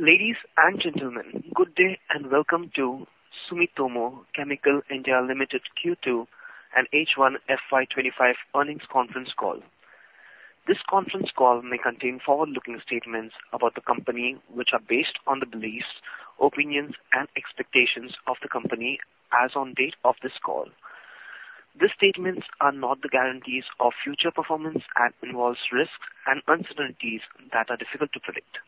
Ladies and gentlemen, good day, and welcome to Sumitomo Chemical India Limited Q2 and H1 FY 2025 Earnings Conference Call. This conference call may contain forward-looking statements about the company, which are based on the beliefs, opinions, and expectations of the company as on date of this call. These statements are not the guarantees of future performance and involves risks and uncertainties that are difficult to predict.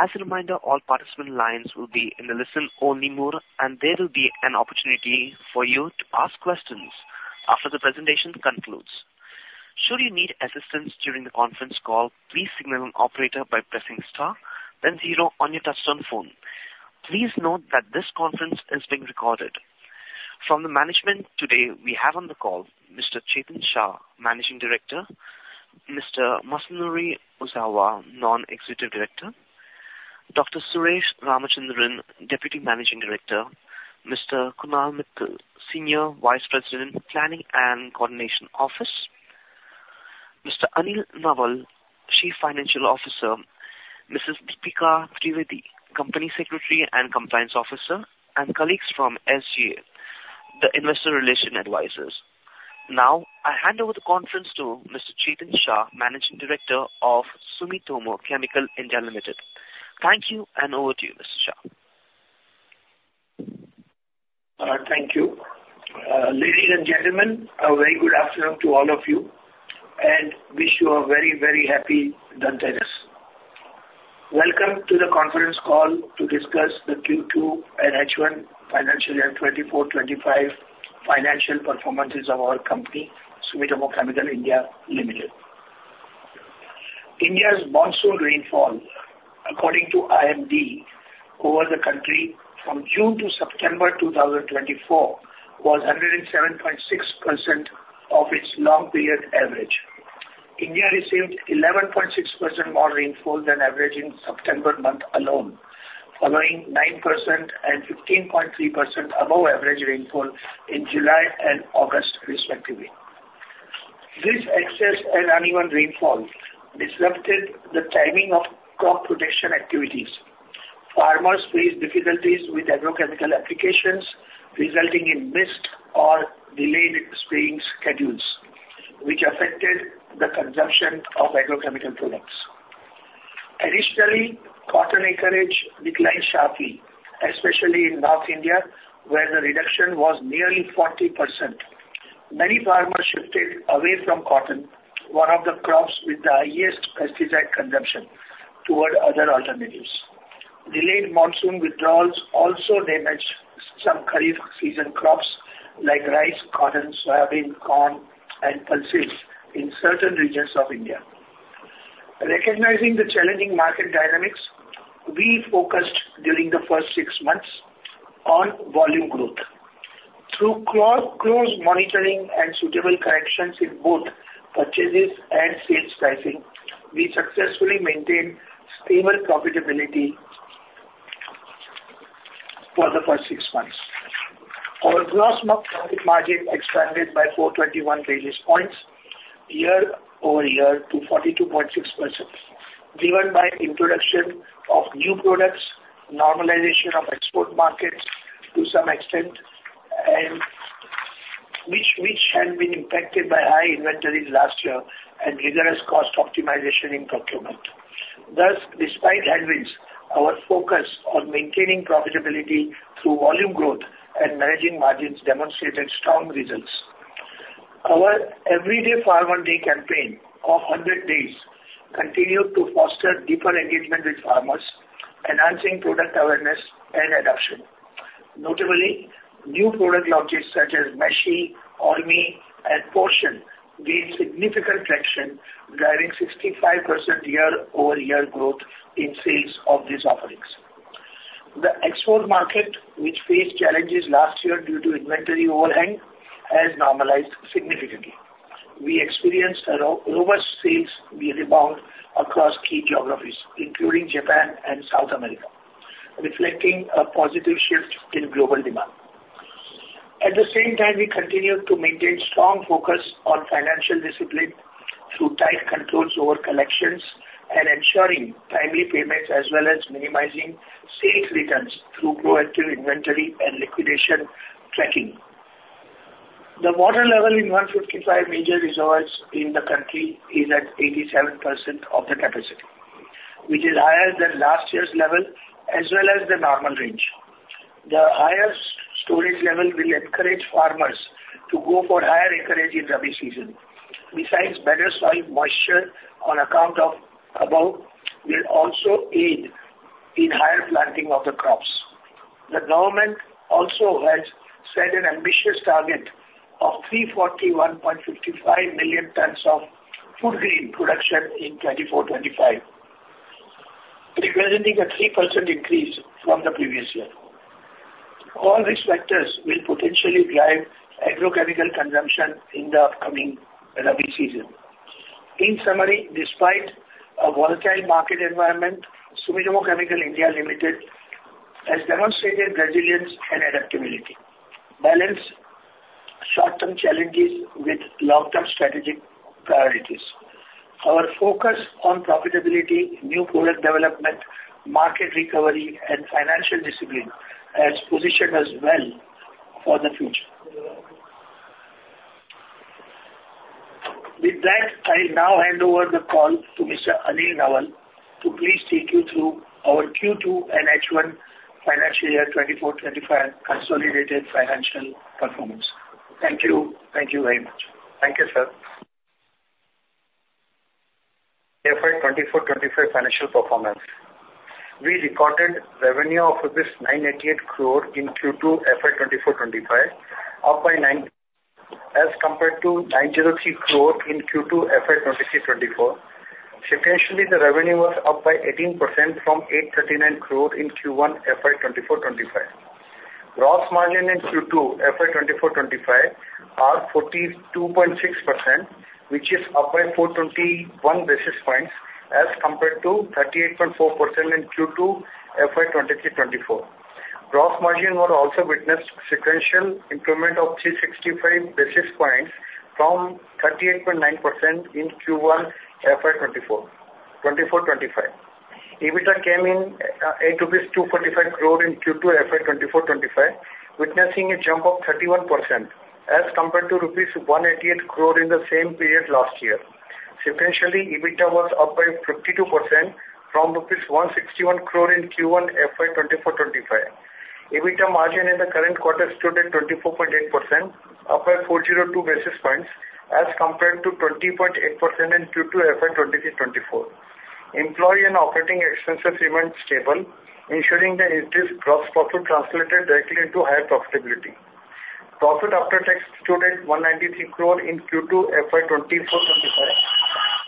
As a reminder, all participant lines will be in a listen-only mode, and there will be an opportunity for you to ask questions after the presentation concludes. Should you need assistance during the conference call, please signal an operator by pressing star, then zero on your touchtone phone. Please note that this conference is being recorded. From the management today, we have on the call Mr. Chetan Shah, Managing Director; Mr. Masanori Ozawa, Non-Executive Director; Dr. Suresh Ramachandran, Deputy Managing Director; Mr. Kunal Mittal, Senior Vice President, Planning and Coordination Office, Mr. Anil Nawal, Chief Financial Officer, Mrs. Deepika Trivedi, Company Secretary and Compliance Officer, and colleagues from SGA, the investor relations advisors. Now, I hand over the conference to Mr. Chetan Shah, Managing Director of Sumitomo Chemical India Limited. Thank you, and over to you, Mr. Shah. Thank you. Ladies and gentlemen, a very good afternoon to all of you, and wish you a very, very happy Dhanteras. Welcome to the conference call to discuss the Q2 and H1 financial year twenty-four, twenty-five financial performances of our company, Sumitomo Chemical India Limited. India's monsoon rainfall, according to IMD, over the country from June to September two thousand twenty-four, was 107.6% of its long-period average. India received 11.6% more rainfall than average in September month alone, following 9% and 15.3% above average rainfall in July and August, respectively. This excess and uneven rainfall disrupted the timing of crop protection activities. Farmers faced difficulties with agrochemical applications, resulting in missed or delayed spraying schedules, which affected the consumption of agrochemical products. Additionally, cotton acreage declined sharply, especially in North India, where the reduction was nearly 40%. Many farmers shifted away from cotton, one of the crops with the highest pesticide consumption, toward other alternatives. Delayed monsoon withdrawals also damaged some Kharif season crops like rice, cotton, soybean, corn, and pulses in certain regions of India. Recognizing the challenging market dynamics, we focused during the first six months on volume growth. Through close monitoring and suitable corrections in both purchases and sales pricing, we successfully maintained stable profitability for the first six months. Our gross margin expanded by 421 basis points year-over-year to 42.6%, driven by introduction of new products, normalization of export markets to some extent, and which had been impacted by high inventories last year and vigorous cost optimization in procurement. Thus, despite headwinds, our focus on maintaining profitability through volume growth and managing margins demonstrated strong results. Our Everyday Farmer's Day campaign of hundred days continued to foster deeper engagement with farmers, enhancing product awareness and adoption. Notably, new product launches such as Moshi, Orne, and Porson gained significant traction, driving 65% year-over-year growth in sales of these offerings. The export market, which faced challenges last year due to inventory overhang, has normalized significantly. We experienced a robust sales rebound across key geographies, including Japan and South America, reflecting a positive shift in global demand. At the same time, we continued to maintain strong focus on financial discipline through tight controls over collections and ensuring timely payments, as well as minimizing sales returns through proactive inventory and liquidation tracking. The water level in 155 major reservoirs in the country is at 87% of the capacity, which is higher than last year's level, as well as the normal range. The higher storage level will encourage farmers to go for higher acreage in Rabi season. Besides, better soil moisture on account of above will also aid in higher planting of the crops. The government also has set an ambitious target of 341.55 million tons of food grain production in 2024-25, representing a 3% increase from the previous year. All these factors will potentially drive agrochemical consumption in the upcoming Rabi season. In summary, despite a volatile market environment, Sumitomo Chemical India Limited has demonstrated resilience and adaptability, balanced short-term challenges with long-term strategic priorities. Our focus on profitability, new product development, market recovery, and financial discipline has positioned us well for the future. With that, I now hand over the call to Mr. Anil Nawal to please take you through our Q2 and H1 financial year 2024-2025 consolidated financial performance. Thank you. Thank you very much. Thank you, sir. FY 2024-2025 financial performance. We recorded revenue of 988 crore in Q2 FY 2024-2025, up by 9 as compared to 903 crore in Q2 FY 2023-2024. Sequentially, the revenue was up by 18% from 839 crore in Q1 FY 2024-2025. Gross margin in Q2 FY 2024-2025 are 42.6%, which is up by 421 basis points as compared to 38.4% in Q2 FY 2023-2024. Gross margin were also witnessed sequential improvement of 365 basis points from 38.9% in Q1 FY 2024-2025. EBITDA came in, INR 245 crore in Q2 FY 2024-2025, witnessing a jump of 31% as compared to 188 crore rupees in the same period last year. Sequentially, EBITDA was up by 52% from rupees 161 crore in Q1 FY 2024-2025. EBITDA margin in the current quarter stood at 24.8%, up by 402 basis points, as compared to 20.8% in Q2 FY 2023-2024. Employee and operating expenses remained stable, ensuring that increased gross profit translated directly into higher profitability. Profit after tax stood at 193 crore in Q2 FY 2024-2025,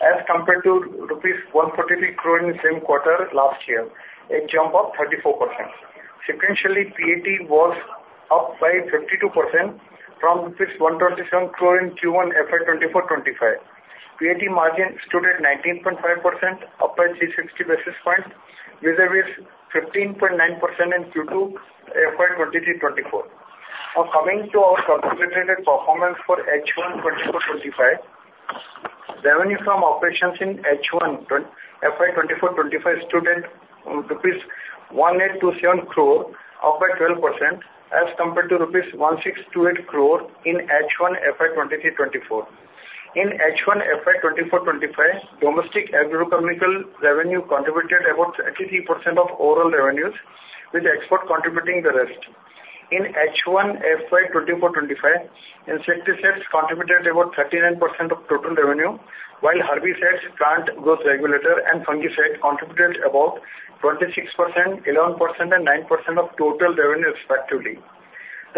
as compared to rupees 143 crore in the same quarter last year, a jump of 34%. Sequentially, PAT was up by 52% from 127 crore in Q1 FY 2024-2025. PAT margin stood at 19.5%, up by 360 basis points, vis-à-vis 15.9% in Q2 FY 2023-2024. Now, coming to our consolidated performance for H1 2024-2025. Revenue from operations in H1 FY 2024-2025 stood at rupees 1827 crore, up by 12% as compared to rupees 1628 crore in H1 FY 2023-2024. In H1 FY 2024-25, domestic agrochemical revenue contributed about 33% of overall revenues, with export contributing the rest. In H1 FY 2024-2025, insecticides contributed about 39% of total revenue, while herbicides, plant growth regulator, and fungicides contributed about 26%, 11%, and 9% of total revenue, respectively.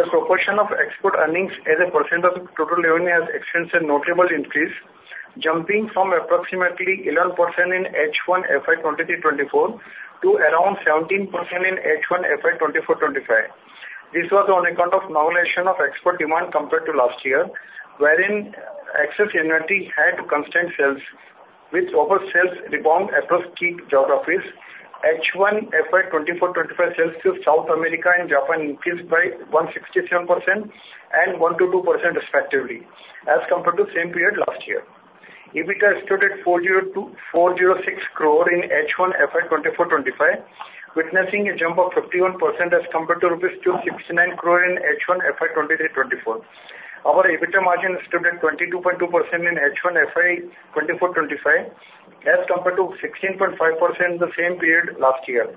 The proportion of export earnings as a percent of total revenue has experienced a notable increase, jumping from approximately 11% in H1 FY 2023-2024 to around 17% in H1 FY 2024-2025. This was on account of normalization of export demand compared to last year, wherein excess inventory had to constrain sales, with overall sales rebound across key geographies. H1 FY 2024-25 sales to South America and Japan increased by 167% and 1%-2%, respectively, as compared to the same period last year. EBITDA stood at 402-406 crore in H1 FY 2024-25, witnessing a jump of 51% as compared to rupees 269 crore in H1 FY 2023-2024. Our EBITDA margin stood at 22.2% in H1 FY 2024-2025, as compared to 16.5% the same period last year.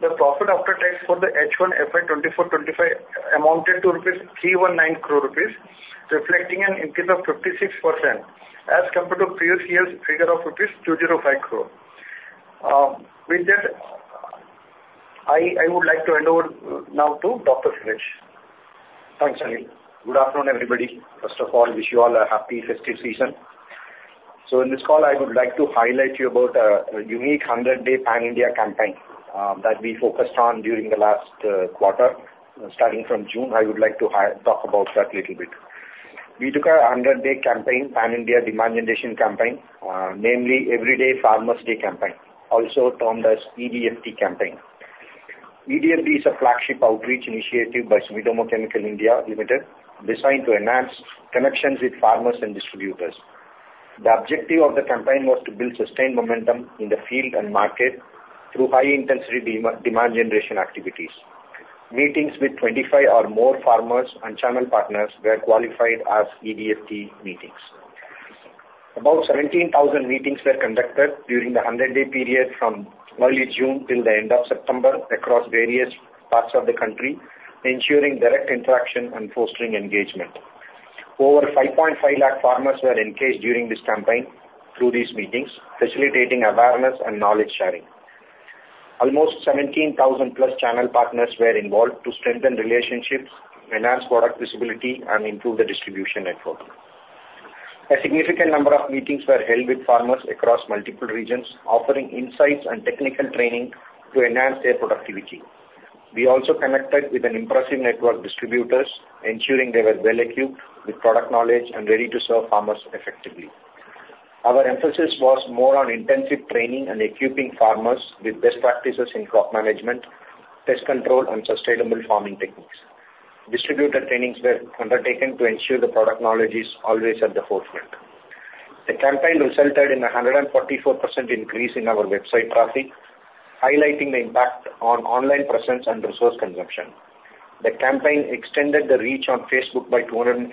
The profit after tax for the H1 FY 2024-2025 amounted to INR 319 crore, reflecting an increase of 56% as compared to previous year's figure of rupees 205 crore. With that, I would like to hand over now to Dr. Suresh. Thanks, Anil. Good afternoon, everybody. First of all, wish you all a happy festive season. So in this call, I would like to highlight you about a unique hundred-day pan-India campaign that we focused on during the last quarter. Starting from June, I would like to talk about that little bit. We took a hundred-day campaign, pan-India demand generation campaign, namely Everyday Farmer's Day campaign, also termed as EDFD campaign. EDFD is a flagship outreach initiative by Sumitomo Chemical India Limited, designed to enhance connections with farmers and distributors. The objective of the campaign was to build sustained momentum in the field and market through high-intensity demand generation activities. Meetings with twenty-five or more farmers and channel partners were qualified as EDFD meetings. About 17,000 meetings were conducted during the 100-day period from early June till the end of September across various parts of the country, ensuring direct interaction and fostering engagement. Over 5.5 lakh farmers were engaged during this campaign through these meetings, facilitating awareness and knowledge sharing. Almost 17,000-plus channel partners were involved to strengthen relationships, enhance product visibility, and improve the distribution network. A significant number of meetings were held with farmers across multiple regions, offering insights and technical training to enhance their productivity. We also connected with an impressive network of distributors, ensuring they were well-equipped with product knowledge and ready to serve farmers effectively. Our emphasis was more on intensive training and equipping farmers with best practices in crop management, pest control, and sustainable farming techniques. Distributor trainings were undertaken to ensure the product knowledge is always at the forefront. The campaign resulted in a 144% increase in our website traffic, highlighting the impact on online presence and resource consumption. The campaign extended the reach on Facebook by 205%,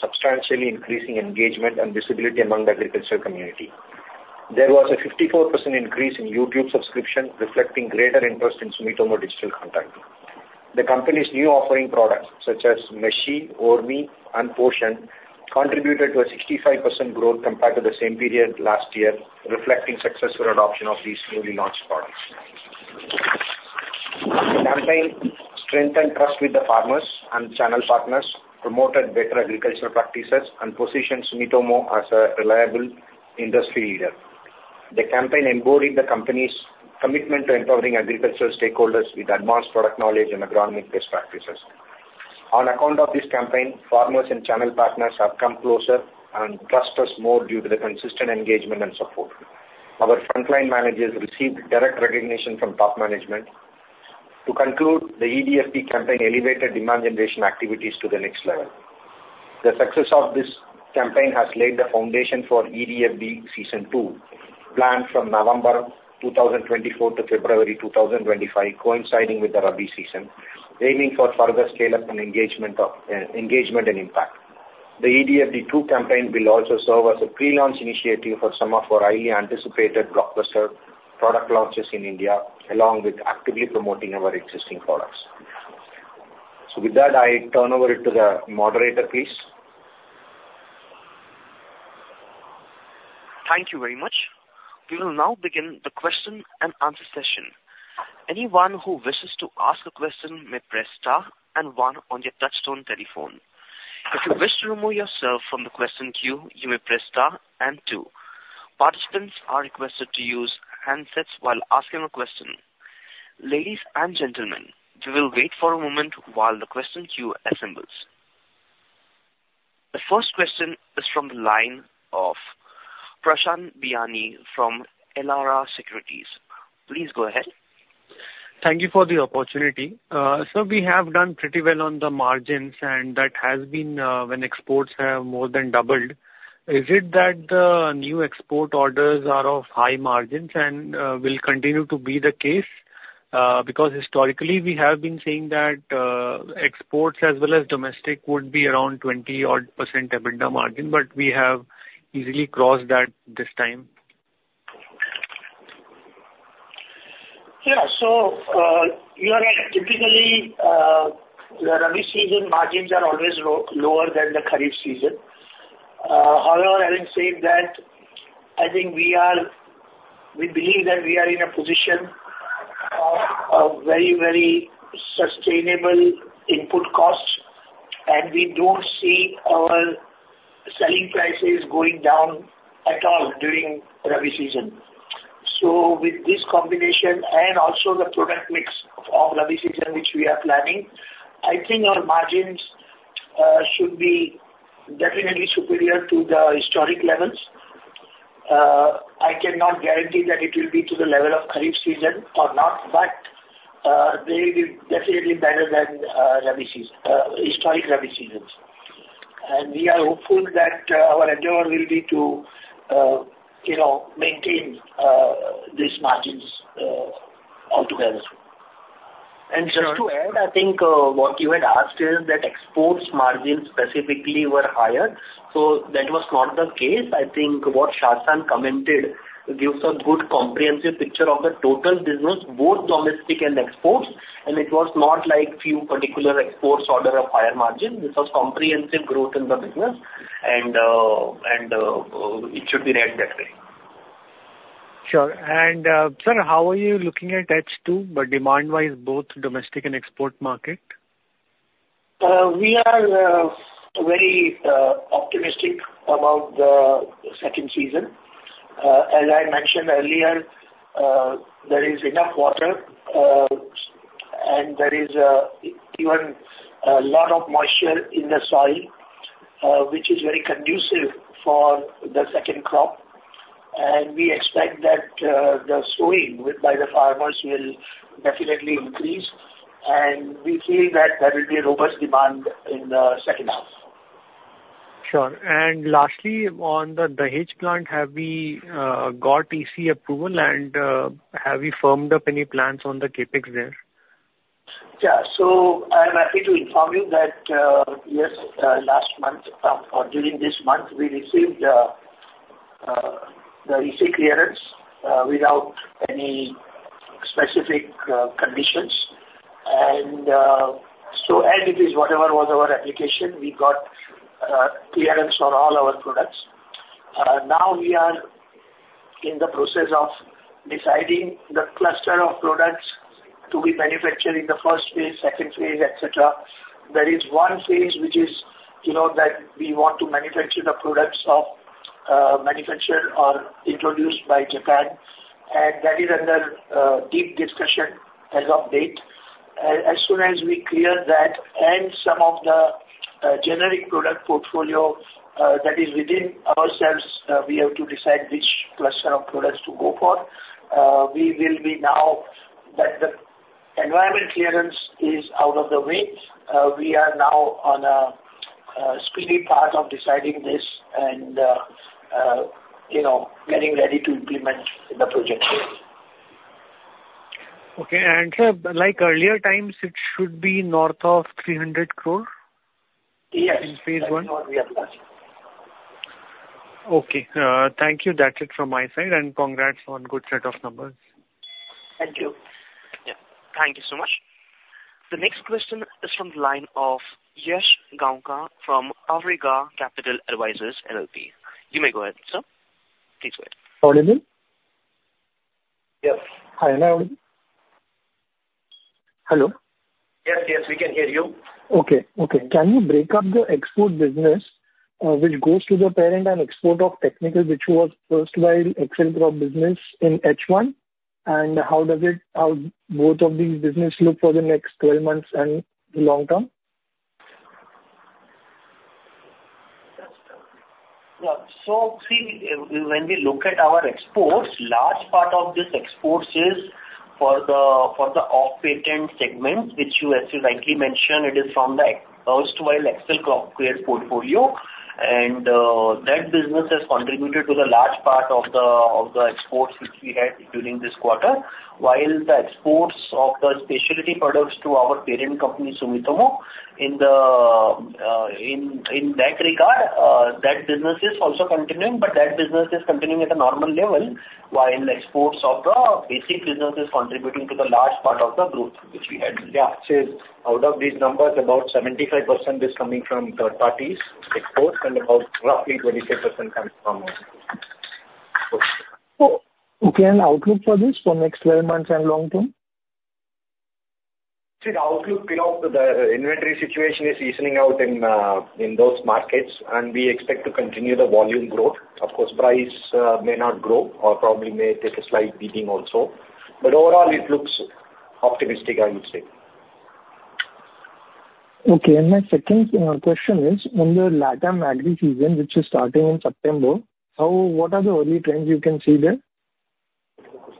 substantially increasing engagement and visibility among the agricultural community. There was a 54% increase in YouTube subscription, reflecting greater interest in Sumitomo digital content. The company's new offering products, such as Meshi, Orne, and Porson, contributed to a 65% growth compared to the same period last year, reflecting successful adoption of these newly launched products. The campaign strengthened trust with the farmers and channel partners, promoted better agricultural practices, and positioned Sumitomo as a reliable industry leader. The campaign embodied the company's commitment to empowering agricultural stakeholders with advanced product knowledge and agronomic best practices. On account of this campaign, farmers and channel partners have come closer and trust us more due to the consistent engagement and support. Our frontline managers received direct recognition from top management. To conclude, the EDFD campaign elevated demand generation activities to the next level. The success of this campaign has laid the foundation for EDFD Season Two, planned from November 2024 to February 2025, coinciding with the Rabi season, aiming for further scale-up and engagement and impact. The EDFD Two campaign will also serve as a pre-launch initiative for some of our highly anticipated blockbuster product launches in India, along with actively promoting our existing products. So with that, I turn over to the moderator, please. Thank you very much. We will now begin the question and answer session. Anyone who wishes to ask a question may press star and one on your touchtone telephone. If you wish to remove yourself from the question queue, you may press star and two. Participants are requested to use handsets while asking a question. Ladies and gentlemen, we will wait for a moment while the question queue assembles. The first question is from the line of Prashant Biyani from Elara Securities. Please go ahead. Thank you for the opportunity. So we have done pretty well on the margins, and that has been when exports have more than doubled. Is it that the new export orders are of high margins and will continue to be the case? Because historically, we have been saying that exports as well as domestic would be around 20-odd% EBITDA margin, but we have easily crossed that this time. Yeah. So, you are right. Typically, the Rabi season margins are always lower than the Kharif season. However, having said that, I think we are... We believe that we are in a position of a very, very sustainable input costs, and we don't see our selling prices going down at all during Rabi season. So with this combination and also the product mix of Rabi season, which we are planning, I think our margins should be definitely superior to the historic levels. I cannot guarantee that it will be to the level of Kharif season or not, but they will be definitely better than Rabi season, historic Rabi seasons. And we are hopeful that our endeavor will be to you know, maintain these margins altogether. Just to add, I think what you had asked is that exports margins specifically were higher. So that was not the case. I think what Mr.. Shah commented gives a good comprehensive picture of the total business, both domestic and exports, and it was not like few particular exports order of higher margin. This was comprehensive growth in the business, and it should be read that way. Sure. And, sir, how are you looking at H2, but demand-wise, both domestic and export market? We are very optimistic about the second season. As I mentioned earlier, there is enough water, and there is even a lot of moisture in the soil, which is very conducive for the second crop, and we expect that the sowing by the farmers will definitely increase, and we feel that there will be a robust demand in the second half. Sure. And lastly, on the Dahej plant, have we got EC approval, and have you firmed up any plans on the CapEx there? Yeah. So I'm happy to inform you that, yes, last month, or during this month, we received the EC clearance, without any specific conditions. And, so as it is, whatever was our application, we got clearance on all our products. Now we are in the process of deciding the cluster of products to be manufactured in the first phase, second phase, et cetera. There is one phase which is, you know, that we want to manufacture the products of, manufactured or introduced by Japan.... and that is under deep discussion as of date. As soon as we clear that and some of the generic product portfolio that is within ourselves, we have to decide which cluster of products to go for. We will be. Now that the environmental clearance is out of the way, we are now on a speedy path of deciding this and, you know, getting ready to implement the project. Okay. Sir, like earlier times, it should be north of 300 crore? Yes. In phase one. We are planning. Okay, thank you. That's it from my side, and congrats on good set of numbers. Thank you. Yeah. Thank you so much. The next question is from the line of Yash Gaonkar from Awriga Capital Advisors. You may go ahead, sir. Please go ahead. Audible? Yes. Hi, Hello? Hello. Yes, yes, we can hear you. Okay, okay. Can you break up the export business, which goes to the parent and export of technical, which was first while Excel Crop business in H1, and how does it... how both of these business look for the next twelve months and the long term? Yeah. So see, when we look at our exports, large part of this exports is for the, for the off-patent segment, which you actually rightly mentioned, it is from the ex-Excel Crop Care portfolio. And that business has contributed to the large part of the exports which we had during this quarter, while the exports of the specialty products to our parent company, Sumitomo, in that regard, that business is also continuing, but that business is continuing at a normal level, while exports of the basic business is contributing to the large part of the growth which we had. Yeah, so out of these numbers, about 75% is coming from third-party exports, and about roughly 25% coming from us. So, okay, and outlook for this for next 12 months and long term? See, the outlook, you know, the inventory situation is seasoning out in, in those markets, and we expect to continue the volume growth. Of course, price, may not grow or probably may take a slight beating also, but overall it looks optimistic, I would say. Okay, and my second question is, on the LatAm agri season, which is starting in September, how, what are the early trends you can see there?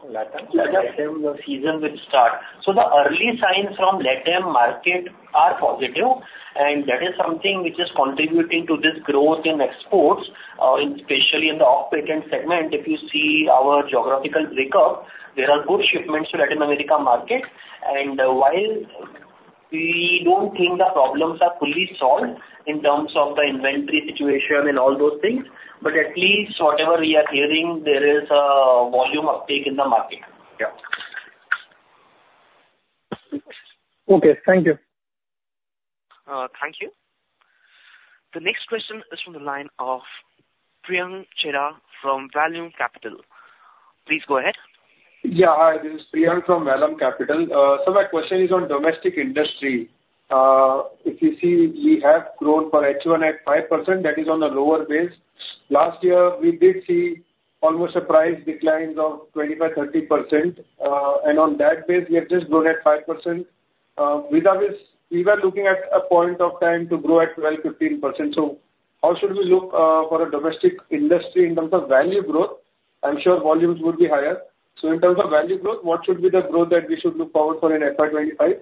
LatAm, the season will start. So the early signs from LatAm market are positive, and that is something which is contributing to this growth in exports, especially in the off-patent segment. If you see our geographical break up, there are good shipments to Latin America market. And while we don't think the problems are fully solved in terms of the inventory situation and all those things, but at least whatever we are hearing, there is a volume uptake in the market. Yeah. Okay, thank you. Thank you. The next question is from the line of Priyank Chheda from Vallum Capital. Please go ahead. Yeah. Hi, this is Priyank from Vallum Capital. So my question is on domestic industry. If you see, we have growth for H1 at 5%, that is on a lower base. Last year, we did see almost a price declines of 25%-30%. And on that base, we have just grown at 5%. Without this, we were looking at a point of time to grow at 12%-15%. So how should we look for a domestic industry in terms of value growth? I'm sure volumes would be higher. So in terms of value growth, what should be the growth that we should look out for in FY 2025? So I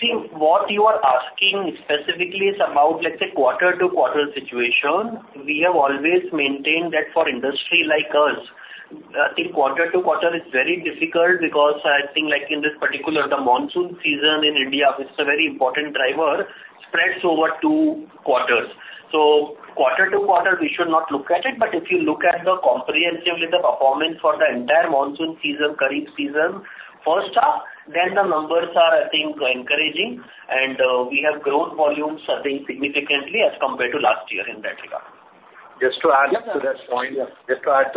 see what you are asking specifically is about, let's say, quarter-to-quarter situation. We have always maintained that for industry like ours, I think quarter to quarter is very difficult because I think like in this particular, the monsoon season in India, which is a very important driver, spreads over two quarters. So quarter to quarter, we should not look at it. But if you look at it comprehensively, the performance for the entire monsoon season, kharif season, first half, then the numbers are, I think, encouraging. And we have grown volumes I think significantly as compared to last year in that regard. Just to add to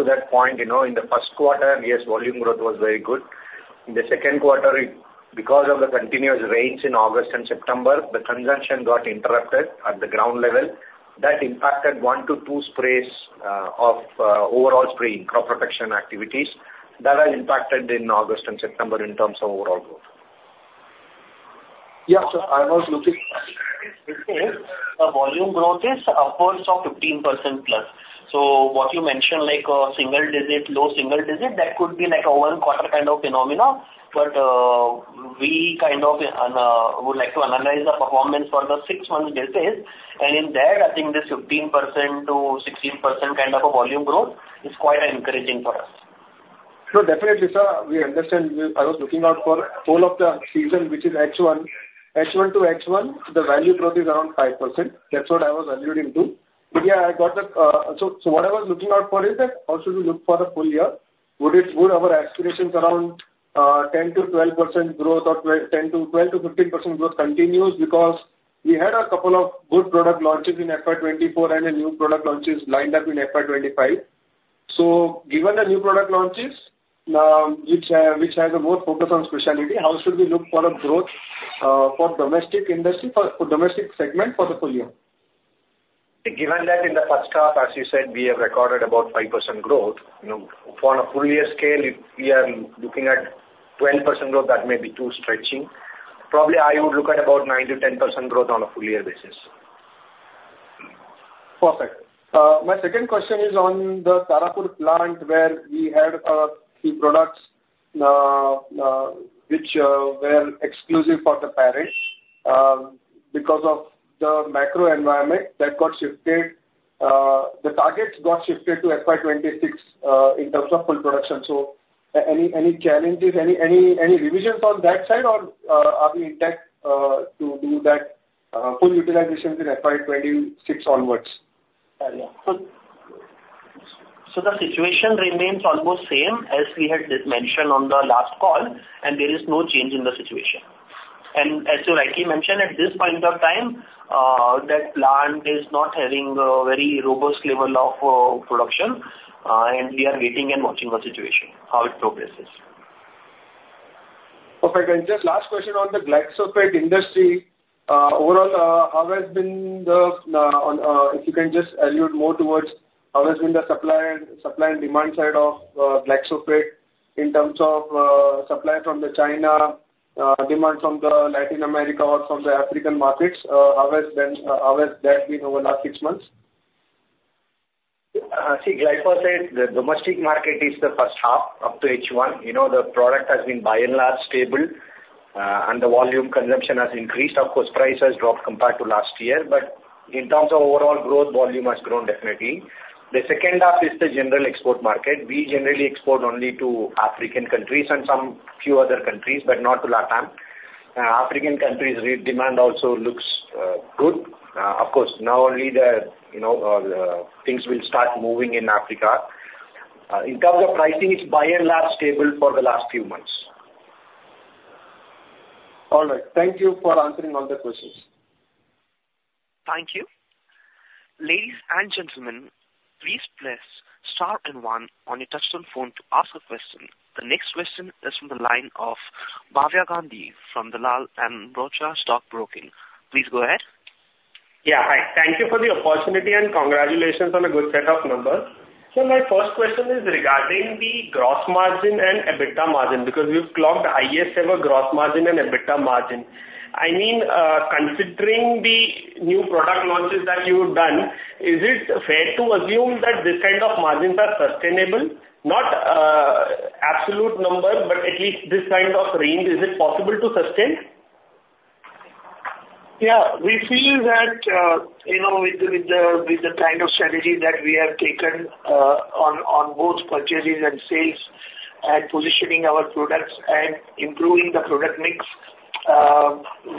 that point, you know, in the first quarter, yes, volume growth was very good. In the second quarter, it, because of the continuous rains in August and September, the traction got interrupted at the ground level. That impacted one to two sprays of overall spraying, crop protection activities that are impacted in August and September in terms of overall growth. Yeah, so I was looking- The volume growth is upwards of 15% plus. So what you mentioned, like a single digit, low single digit, that could be like a one quarter kind of phenomena. But, we kind of would like to analyze the performance for the six months basis. And in that, I think this 15%-16% kind of a volume growth is quite encouraging for us. Definitely, sir, we understand. I was looking out for whole of the season, which is H1. H1 to H1, the value growth is around 5%. That's what I was alluding to. But yeah, I got the. So what I was looking out for is that, how should we look for the full year? Would it, would our aspirations around 10-12% growth or twelve to fifteen percent growth continues? Because we had a couple of good product launches in FY 2024 and a new product launches lined up in FY 2025. So given the new product launches, which have a more focus on specialty, how should we look for the growth, for domestic industry, for domestic segment for the full year? Given that in the first half, as you said, we have recorded about 5% growth, you know, on a full year scale, if we are looking at 12% growth, that may be too stretching. Probably I would look at about 9% to 10% growth on a full year basis. Perfect. My second question is on the Tarapur plant, where we had a few products which were exclusive for the parent. Because of the macro environment that got shifted, the targets got shifted to FY 2026 in terms of full production. So any challenges, any revisions on that side, or are we on track to do that full utilization in FY 2026 onwards? So the situation remains almost same as we had mentioned on the last call, and there is no change in the situation. And as you rightly mentioned, at this point of time, that plant is not having a very robust level of production, and we are waiting and watching the situation, how it progresses. Okay, and just last question on the glyphosate industry. Overall, if you can just allude more towards how has been the supply and demand side of glyphosate in terms of supply from China, demand from Latin America or from the African markets, how has that been over the last six months? See, glyphosate, the domestic market is the first half, up to H1. You know, the product has been by and large stable, and the volume consumption has increased. Of course, price has dropped compared to last year, but in terms of overall growth, volume has grown definitely. The second half is the general export market. We generally export only to African countries and some few other countries, but not to Latin. African countries' demand also looks good. Of course, now only the, you know, things will start moving in Africa. In terms of pricing, it's by and large stable for the last few months. All right. Thank you for answering all the questions. Thank you. Ladies and gentlemen, please press star and one on your touchtone phone to ask a question. The next question is from the line of Bhavya Gandhi from Dalal & Broacha Stock Broking. Please go ahead. Yeah, hi. Thank you for the opportunity, and congratulations on a good set of numbers. So my first question is regarding the gross margin and EBITDA margin, because we've clocked the highest ever gross margin and EBITDA margin. I mean, considering the new product launches that you've done, is it fair to assume that these kind of margins are sustainable? Not absolute numbers, but at least this kind of range, is it possible to sustain? Yeah. We feel that, you know, with the kind of strategy that we have taken, on both purchases and sales and positioning our products and improving the product mix,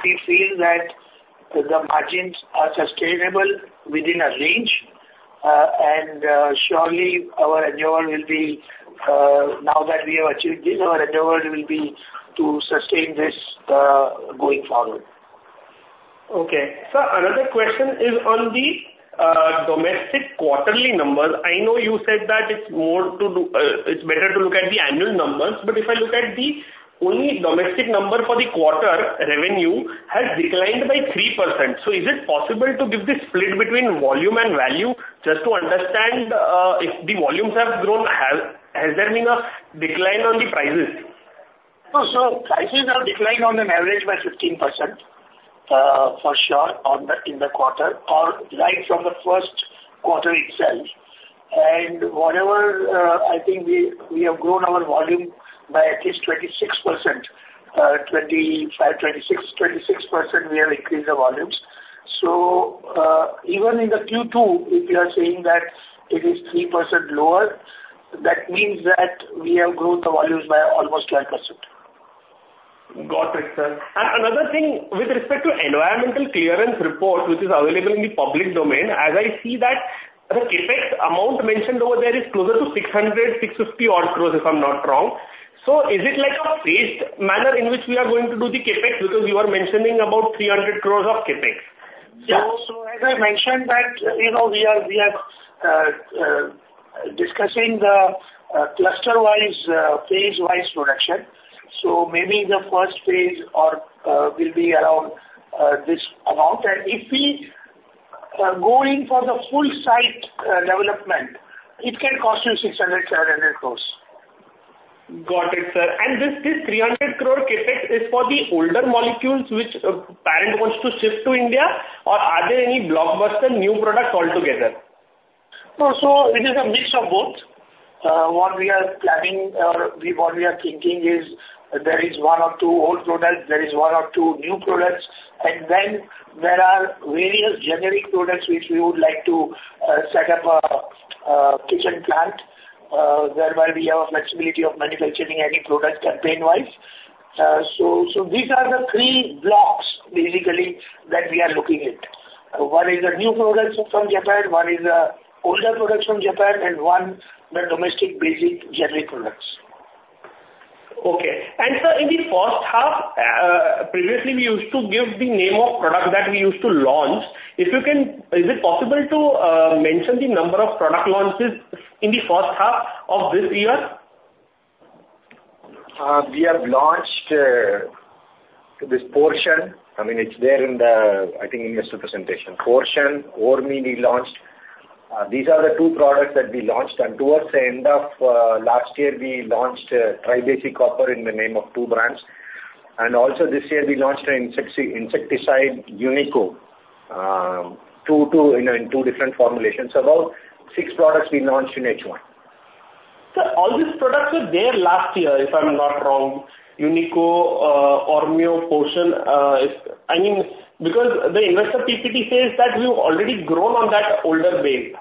we feel that the margins are sustainable within a range. And surely our endeavor will be, now that we have achieved this, our endeavor will be to sustain this, going forward. Okay. Sir, another question is on the domestic quarterly numbers. I know you said that it's better to look at the annual numbers, but if I look at the only domestic number for the quarter, revenue has declined by 3%. So is it possible to give the split between volume and value? Just to understand if the volumes have grown, has there been a decline on the prices? So, prices have declined on an average by 15%, for sure, in the quarter or right from the first quarter itself. And whatever, I think we have grown our volume by at least 26%. Twenty-five, twenty-six, twenty-six percent, we have increased the volumes. So, even in the Q2, if you are saying that it is 3% lower, that means that we have grown the volumes by almost 10%. Got it, sir. And another thing, with respect to environmental clearance report, which is available in the public domain, as I see that the CapEx amount mentioned over there is closer to 600-650 odd crores, if I'm not wrong. So is it like a phased manner in which we are going to do the CapEx? Because you are mentioning about 300 crores of CapEx. As I mentioned that, you know, we are discussing the cluster-wise phase-wise production. Maybe the first phase or will be around this amount. And if we are going for the full site development, it can cost you 600-700 crores. Got it, sir. And this 300 crore CapEx is for the older molecules, which parent wants to shift to India, or are there any blockbuster new products altogether? It is a mix of both. What we are planning or what we are thinking is there is one or two old products, there is one or two new products, and then there are various generic products, which we would like to set up a kitchen plant, whereby we have a flexibility of manufacturing any product campaign-wise. These are the three blocks, basically, that we are looking at. One is the new products from Japan, one is the older products from Japan, and one, the domestic basic generic products. ... Okay. And sir, in the first half, previously we used to give the name of product that we used to launch. Is it possible to mention the number of product launches in the first half of this year? We have launched this Porson. I mean, it's there in the, I think, in your presentation. Porson, Orne, we launched. These are the two products that we launched, and towards the end of last year, we launched tribasic copper in the name of two brands. And also this year we launched an insecticide, Unico, two, you know, in two different formulations. About six products we launched in H1. Sir, all these products were there last year, if I'm not wrong. Unico, Orne, Porson, I mean, because the investor PPT says that you've already grown on that older base.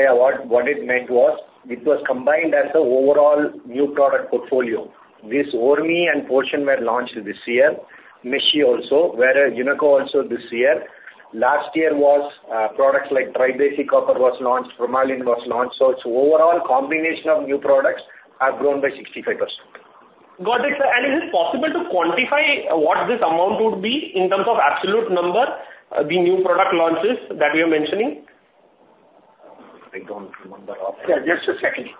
Yeah, what it meant was, it was combined as the overall new product portfolio. This Orne and Porson were launched this year, Meshi also, whereas Unico also this year. Last year was products like tribasic copper was launched, formalin was launched. So it's overall combination of new products have grown by 65%. Got it, sir. And is it possible to quantify what this amount would be in terms of absolute number, the new product launches that you're mentioning? I don't remember off... Yeah, just a second.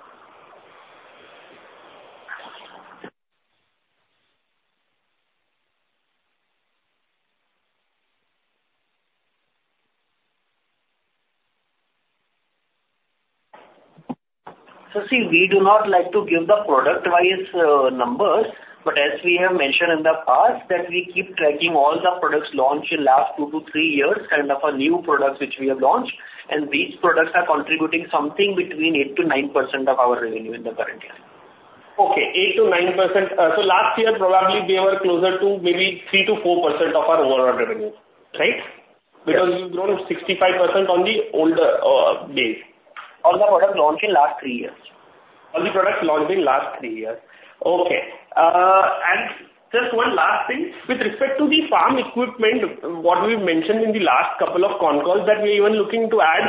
So see, we do not like to give the product-wise numbers, but as we have mentioned in the past, that we keep tracking all the products launched in last two to three years, kind of a new products which we have launched, and these products are contributing something between 8%-9% of our revenue in the current year. Okay, 8%-9%. So last year, probably we were closer to maybe 3%-4% of our overall revenue, right? Yes. Because you've grown 65% on the older base. On the products launched in last three years. On the products launched in last three years. Okay. And just one last thing: with respect to the farm equipment, what we've mentioned in the last couple of concalls, that we're even looking to add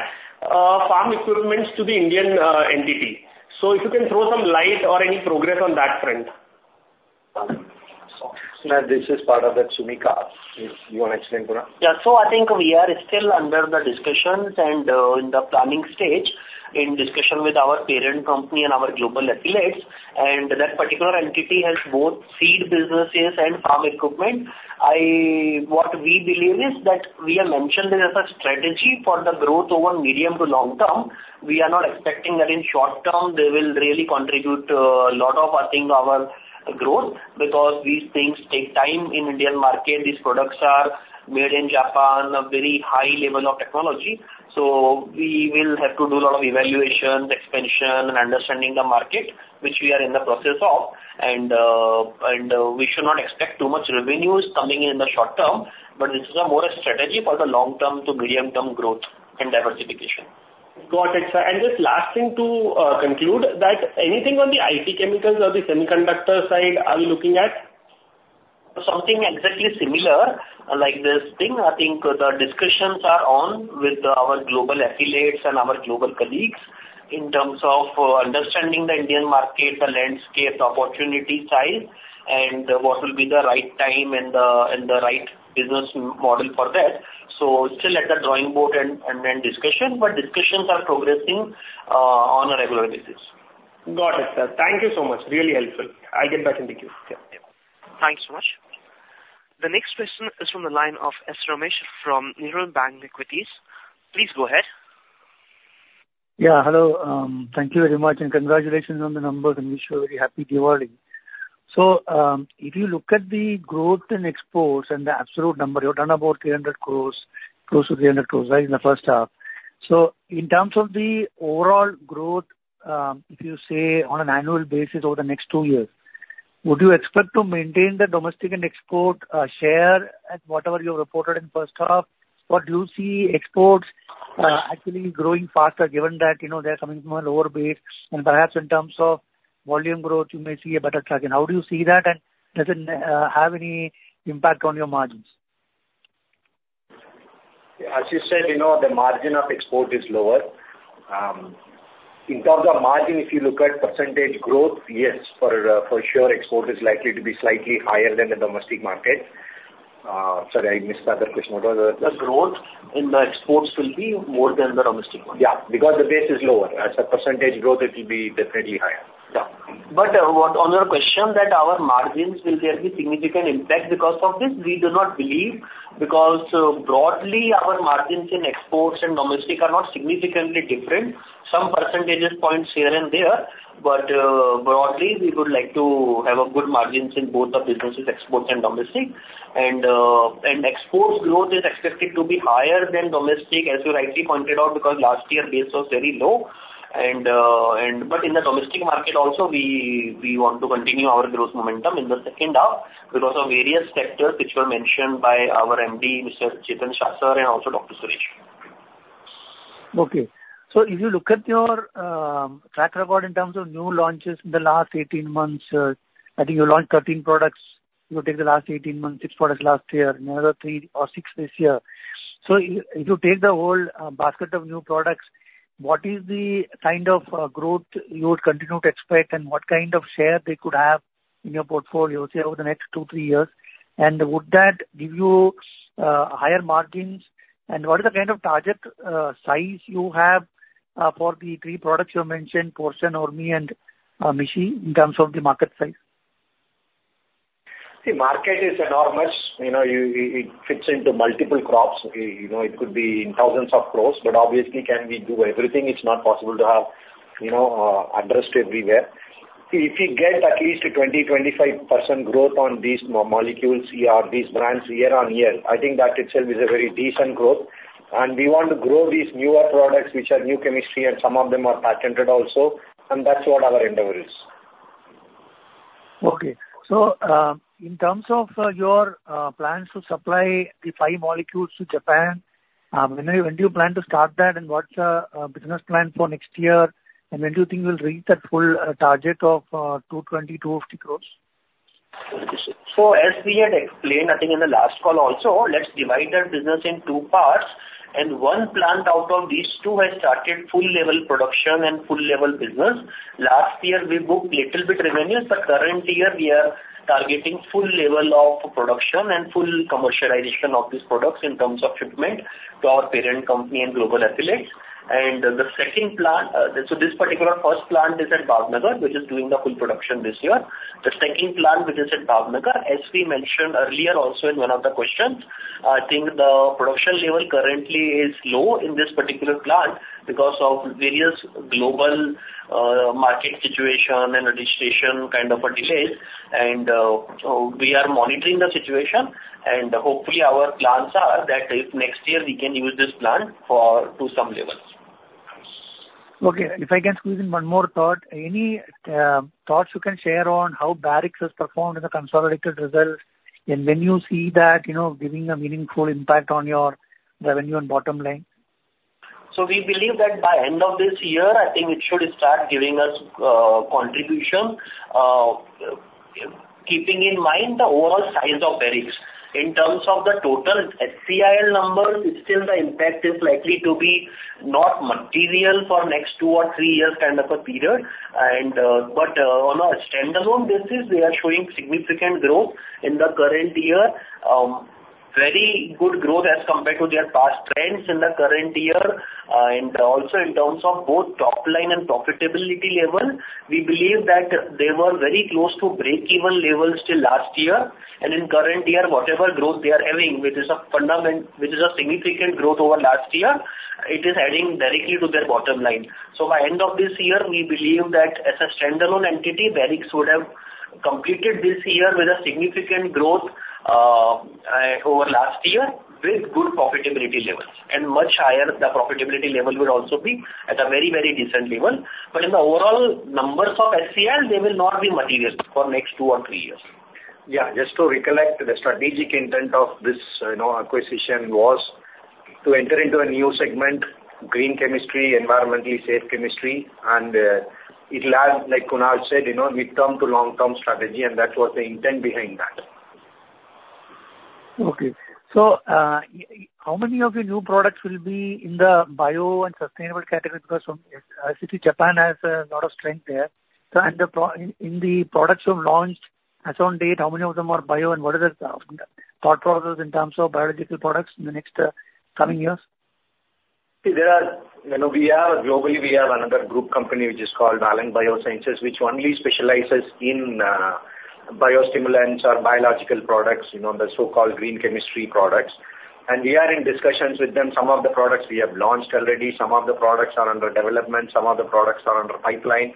farm equipments to the Indian entity. So if you can throw some light or any progress on that front. So this is part of the Sumika. You want to explain, Kunal? Yeah. So I think we are still under the discussions and in the planning stage, in discussion with our parent company and our global affiliates, and that particular entity has both seed businesses and farm equipment. What we believe is that we have mentioned it as a strategy for the growth over medium to long term. We are not expecting that in short term they will really contribute a lot of, I think, our growth, because these things take time in Indian market. These products are made in Japan, a very high level of technology, so we will have to do a lot of evaluation, expansion, and understanding the market, which we are in the process of, and we should not expect too much revenues coming in the short term, but this is a more a strategy for the long term to medium term growth and diversification. Got it, sir. And just last thing to conclude, that anything on the IT chemicals or the semiconductor side are you looking at? Something exactly similar, like this thing. I think the discussions are on with our global affiliates and our global colleagues in terms of understanding the Indian market, the landscape, the opportunity size, and what will be the right time and the right business model for that. So still at the drawing board and discussion, but discussions are progressing on a regular basis. Got it, sir. Thank you so much. Really helpful. I'll get back in the queue. Yeah. Yeah. Thanks so much. The next question is from the line of S. Ramesh from Nirmal Bang Equities. Please go ahead. Yeah, hello. Thank you very much, and congratulations on the numbers, and wish you a very happy Diwali. So, if you look at the growth in exports and the absolute number, you've done about 300 crores, close to 300 crores, right, in the first half. In terms of the overall growth, if you say on an annual basis over the next two years, would you expect to maintain the domestic and export share at whatever you reported in first half? Or do you see exports actually growing faster, given that, you know, they're coming from a lower base, and perhaps in terms of volume growth, you may see a better traction. How do you see that, and does it have any impact on your margins? As you said, you know, the margin of export is lower. In terms of margin, if you look at percentage growth, yes, for sure, export is likely to be slightly higher than the domestic market. Sorry, I missed the other question. What was it? The growth in the exports will be more than the domestic one. Yeah, because the base is lower. As a percentage growth, it will be definitely higher. Yeah. But what, on your question that our margins will there be significant impact because of this, we do not believe, because broadly, our margins in exports and domestic are not significantly different. Some percentage points here and there, but, broadly, we would like to have good margins in both the businesses, exports and domestic. And exports growth is expected to be higher than domestic, as you rightly pointed out, because last year base was very low. And but in the domestic market also we want to continue our growth momentum in the second half because of various sectors which were mentioned by our MD, Mr. Chetan Shah, sir, and also Dr. Suresh. Okay. So if you look at your track record in terms of new launches in the last eighteen months, I think you launched thirteen products, if you take the last eighteen months, six products last year, and another three or six this year. So if you take the whole basket of new products, what is the kind of growth you would continue to expect, and what kind of share they could have in your portfolio, say, over the next two, three years? And would that give you higher margins? And what is the kind of target size you have for the three products you mentioned, Porson, Orne, and Meshi, in terms of the market size? The market is enormous. You know, it fits into multiple crops. You know, it could be in thousands of crops, but obviously, can we do everything? It's not possible to have, you know, address everywhere. If we get at least 20-25% growth on these molecules or these brands year on year, I think that itself is a very decent growth. We want to grow these newer products, which are new chemistry, and some of them are patented also, and that's what our endeavor is. Okay. So, in terms of your plans to supply the five molecules to Japan, when do you plan to start that, and what's the business plan for next year? And when do you think you'll reach that full target of 220-250 crore? So as we had explained, I think in the last call also, let's divide our business in two parts, and one plant out of these two has started full level production and full level business. Last year, we booked little bit revenues, but current year we are targeting full level of production and full commercialization of these products in terms of shipment to our parent company and global affiliates. And the second plant, so this particular first plant is at Bhavnagar, which is doing the full production this year. The second plant, which is at Bhavnagar, as we mentioned earlier also in one of the questions, I think the production level currently is low in this particular plant because of various global, market situation and registration kind of a delays. We are monitoring the situation, and hopefully, our plans are that if next year we can use this plant for to some levels. Okay. If I can squeeze in one more thought, any thoughts you can share on how Barrix has performed in the consolidated results, and when you see that, you know, giving a meaningful impact on your revenue and bottom line? We believe that by end of this year, I think it should start giving us contribution. Keeping in mind the overall size of Barrix. In terms of the total SCIL numbers, it's still the impact is likely to be not material for next two or three years, kind of a period. But on a standalone basis, we are showing significant growth in the current year. Very good growth as compared to their past trends in the current year. Also in terms of both top line and profitability level, we believe that they were very close to break-even levels till last year. In current year, whatever growth they are having, which is a significant growth over last year, it is adding directly to their bottom line. So by end of this year, we believe that as a standalone entity, Barrix would have completed this year with a significant growth over last year, with good profitability levels, and much higher the profitability level would also be at a very, very decent level. But in the overall numbers of SCIL, they will not be material for next two or three years. Yeah, just to recollect, the strategic intent of this, you know, acquisition was to enter into a new segment, green chemistry, environmentally safe chemistry, and it'll add, like Kunal said, you know, midterm to long-term strategy, and that was the intent behind that. Okay. So, how many of your new products will be in the bio and sustainable category? Because SCC Japan has a lot of strength there. So, and in the products you've launched, as on date, how many of them are bio, and what is the thought process in terms of biological products in the next coming years? You know, we have, globally, we have another group company, which is called Valent BioSciences, which only specializes in biostimulants or biological products, you know, the so-called green chemistry products. And we are in discussions with them. Some of the products we have launched already, some of the products are under development, some of the products are under pipeline,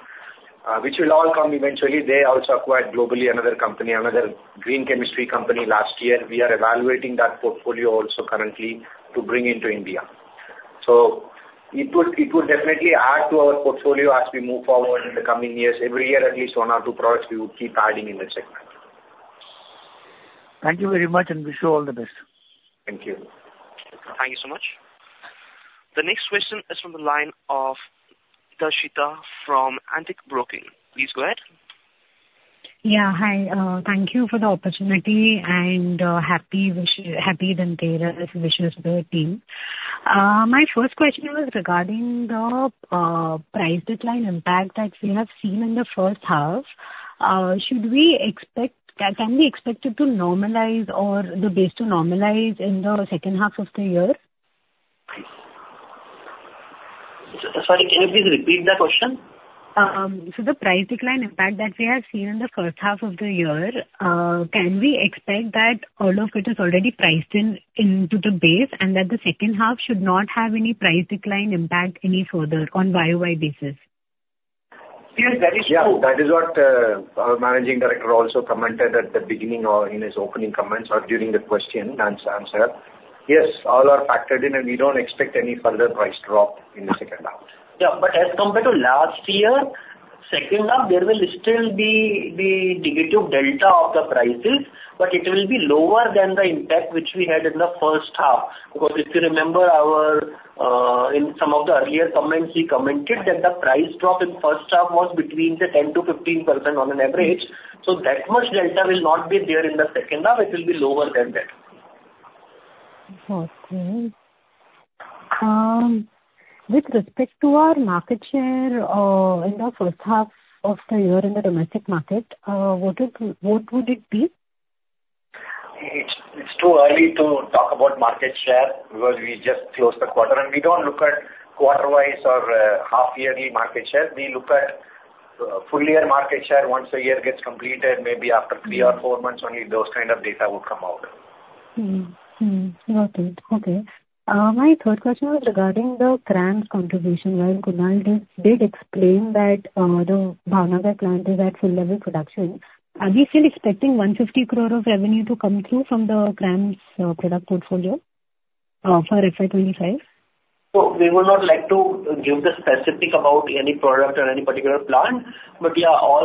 which will all come eventually. They also acquired globally, another company, another green chemistry company last year. We are evaluating that portfolio also currently to bring into India. So it would, it would definitely add to our portfolio as we move forward in the coming years. Every year, at least one or two products we would keep adding in that segment. Thank you very much, and wish you all the best. Thank you. Thank you so much. The next question is from the line of Darshita from Antique Stock Broking. Please go ahead. Yeah, hi. Thank you for the opportunity, and happy Dhanteras wishes to the team. My first question was regarding the price decline impact that we have seen in the first half. Should we expect... Can we expect it to normalize or the base to normalize in the second half of the year? Sorry, can you please repeat the question? So the price decline impact that we have seen in the first half of the year, can we expect that all of it is already priced in, into the base, and that the second half should not have any price decline impact any further on YOY basis? Yes, that is true. Yeah, that is what our managing director also commented at the beginning or in his opening comments or during the question and answer. Yes, all are factored in, and we don't expect any further price drop in the second half. Yeah, but as compared to last year, second half, there will still be the negative delta of the prices, but it will be lower than the impact which we had in the first half. Because if you remember, in some of the earlier comments, he commented that the price drop in first half was between say 10 to 15% on an average. So that much delta will not be there in the second half. It will be lower than that. Okay. With respect to our market share, in the first half of the year in the domestic market, what would it be? It's too early to talk about market share because we just closed the quarter, and we don't look at quarter-wise or half-yearly market share. We look at full year market share once a year gets completed, maybe after three or four months, only those kind of data would come out. My third question was regarding the CRAMS contribution. While Kunal did explain that the Bhavnagar plant is at full level production, are we still expecting 150 crore of revenue to come through from the CRAMS product portfolio for FY 2025? We would not like to give the specifics about any product or any particular plant. But yeah, all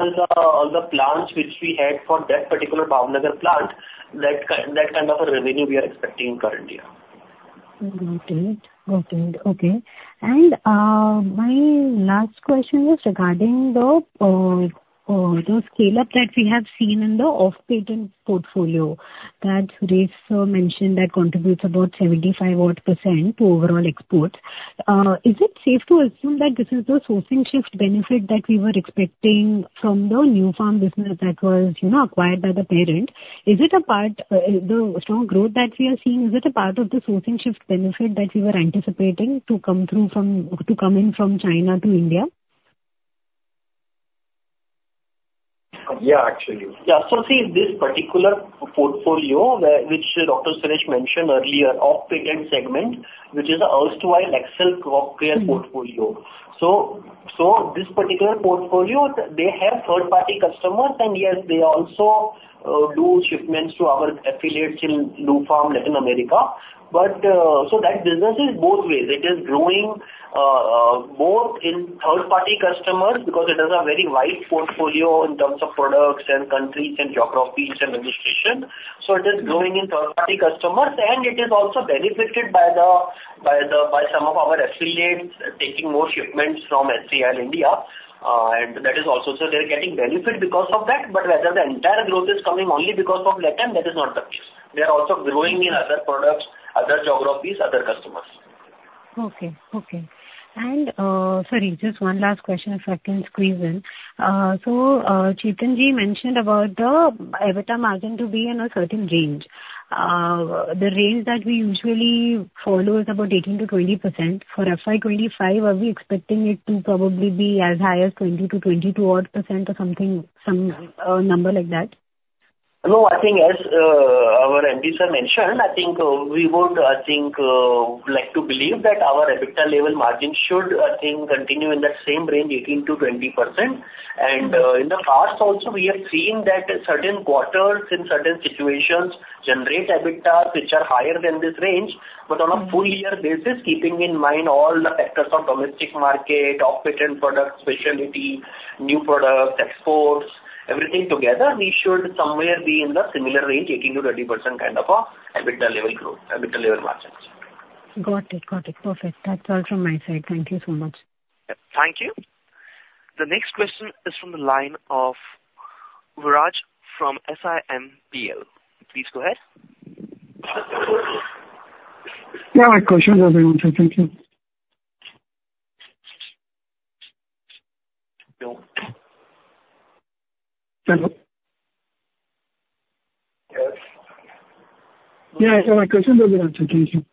the plants which we had for that particular Bhavnagar plant, that kind of a revenue we are expecting currently, yeah. Got it. Okay. And, my last question is regarding the scale-up that we have seen in the off-patent portfolio, that Suresh, sir, mentioned that contributes about 75% to overall export. Is it safe to assume that this is the sourcing shift benefit that we were expecting from the Nufarm business that was, you know, acquired by the parent? Is it a part. The strong growth that we are seeing, is it a part of the sourcing shift benefit that we were anticipating to come through from to come in from China to India? Yeah, actually. Yeah. So see, this particular portfolio, which Dr. Suresh mentioned earlier, off-patent segment, which is the erstwhile Excel Crop Care portfolio. So this particular portfolio, they have third-party customers, and yes, they also do shipments to our affiliates in Nufarm, Latin America. But, so that business is both ways. It is growing both in third-party customers, because it has a very wide portfolio in terms of products and countries and geographies and administration. So it is growing in third-party customers, and it is also benefited by some of our affiliates taking more shipments from Sumitomo Chemical India, and that is also. So they're getting benefit because of that. But whether the entire growth is coming only because of Latin, that is not the case. They are also growing in other products, other geographies, other customers. Sorry, just one last question, if I can squeeze in. So, Chetan Ji mentioned about the EBITDA margin to be in a certain range. The range that we usually follow is about 18%-20%. For FY 2025, are we expecting it to probably be as high as 20%-22% odd or something, some number like that? No, I think as, our MD, sir, mentioned, I think, we would, I think, like to believe that our EBITDA level margin should, I think, continue in that same range, 18%-20%. And, in the past also, we have seen that certain quarters in certain situations generate EBITDA, which are higher than this range, but on a full year basis, keeping in mind all the factors of domestic market, off-patent products, specialty, new products, exports, everything together, we should somewhere be in the similar range, 18%-20%, kind of a EBITDA level growth, EBITDA level margins. Got it. Got it. Perfect. That's all from my side. Thank you so much. Thank you. The next question is from the line of Viraj from SIMPL. Please go ahead. Yeah, my question has been answered. Thank you. Hello? Yes. Yeah, my question has been answered. Thank you.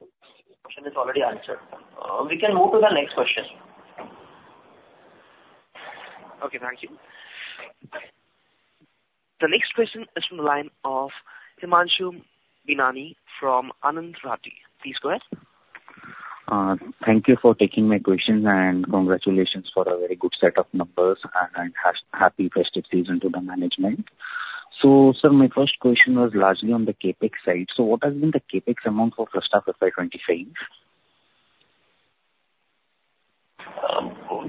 Question is already answered. We can move to the next question. Okay, thank you. The next question is from the line of Himanshu Binani from Anand Rathi. Please go ahead. Thank you for taking my question, and congratulations for a very good set of numbers, and happy festive season to the management. So sir, my first question was largely on the CapEx side. So what has been the CapEx amount for first half FY 2025?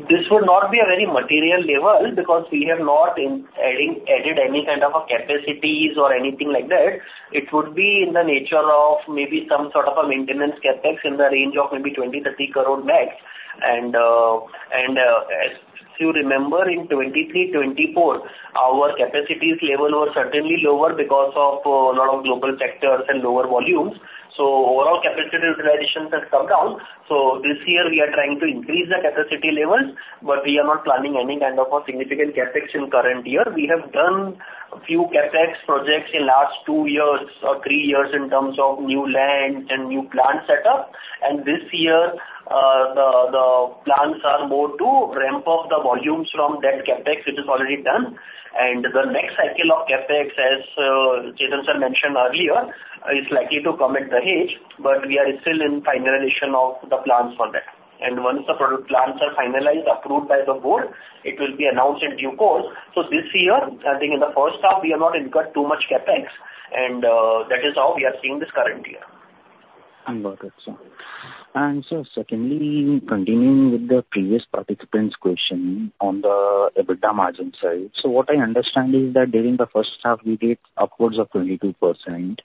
This will not be a very material level because we have not added any kind of capacities or anything like that. It would be in the nature of maybe some sort of a maintenance CapEx in the range of maybe 20-30 crore max. And if you remember, in 2023, 2024, our capacities level were certainly lower because of a lot of global factors and lower volumes. So overall capacity utilizations has come down. So this year we are trying to increase the capacity levels, but we are not planning any kind of a significant CapEx in current year. We have done a few CapEx projects in last two years or three years in terms of new land and new plant setup. And this year, the plans are more to ramp up the volumes from that CapEx, which is already done. And the next cycle of CapEx, as Chetan sir mentioned earlier, is likely to come at Dahej, but we are still in finalization of the plans for that. And once the project plans are finalized, approved by the board, it will be announced in due course. So this year, I think in the first half, we have not incurred too much CapEx, and that is how we are seeing this current year. I got it, sir. And sir, secondly, continuing with the previous participant's question on the EBITDA margin side. So what I understand is that during the first half, we did upwards of 22%...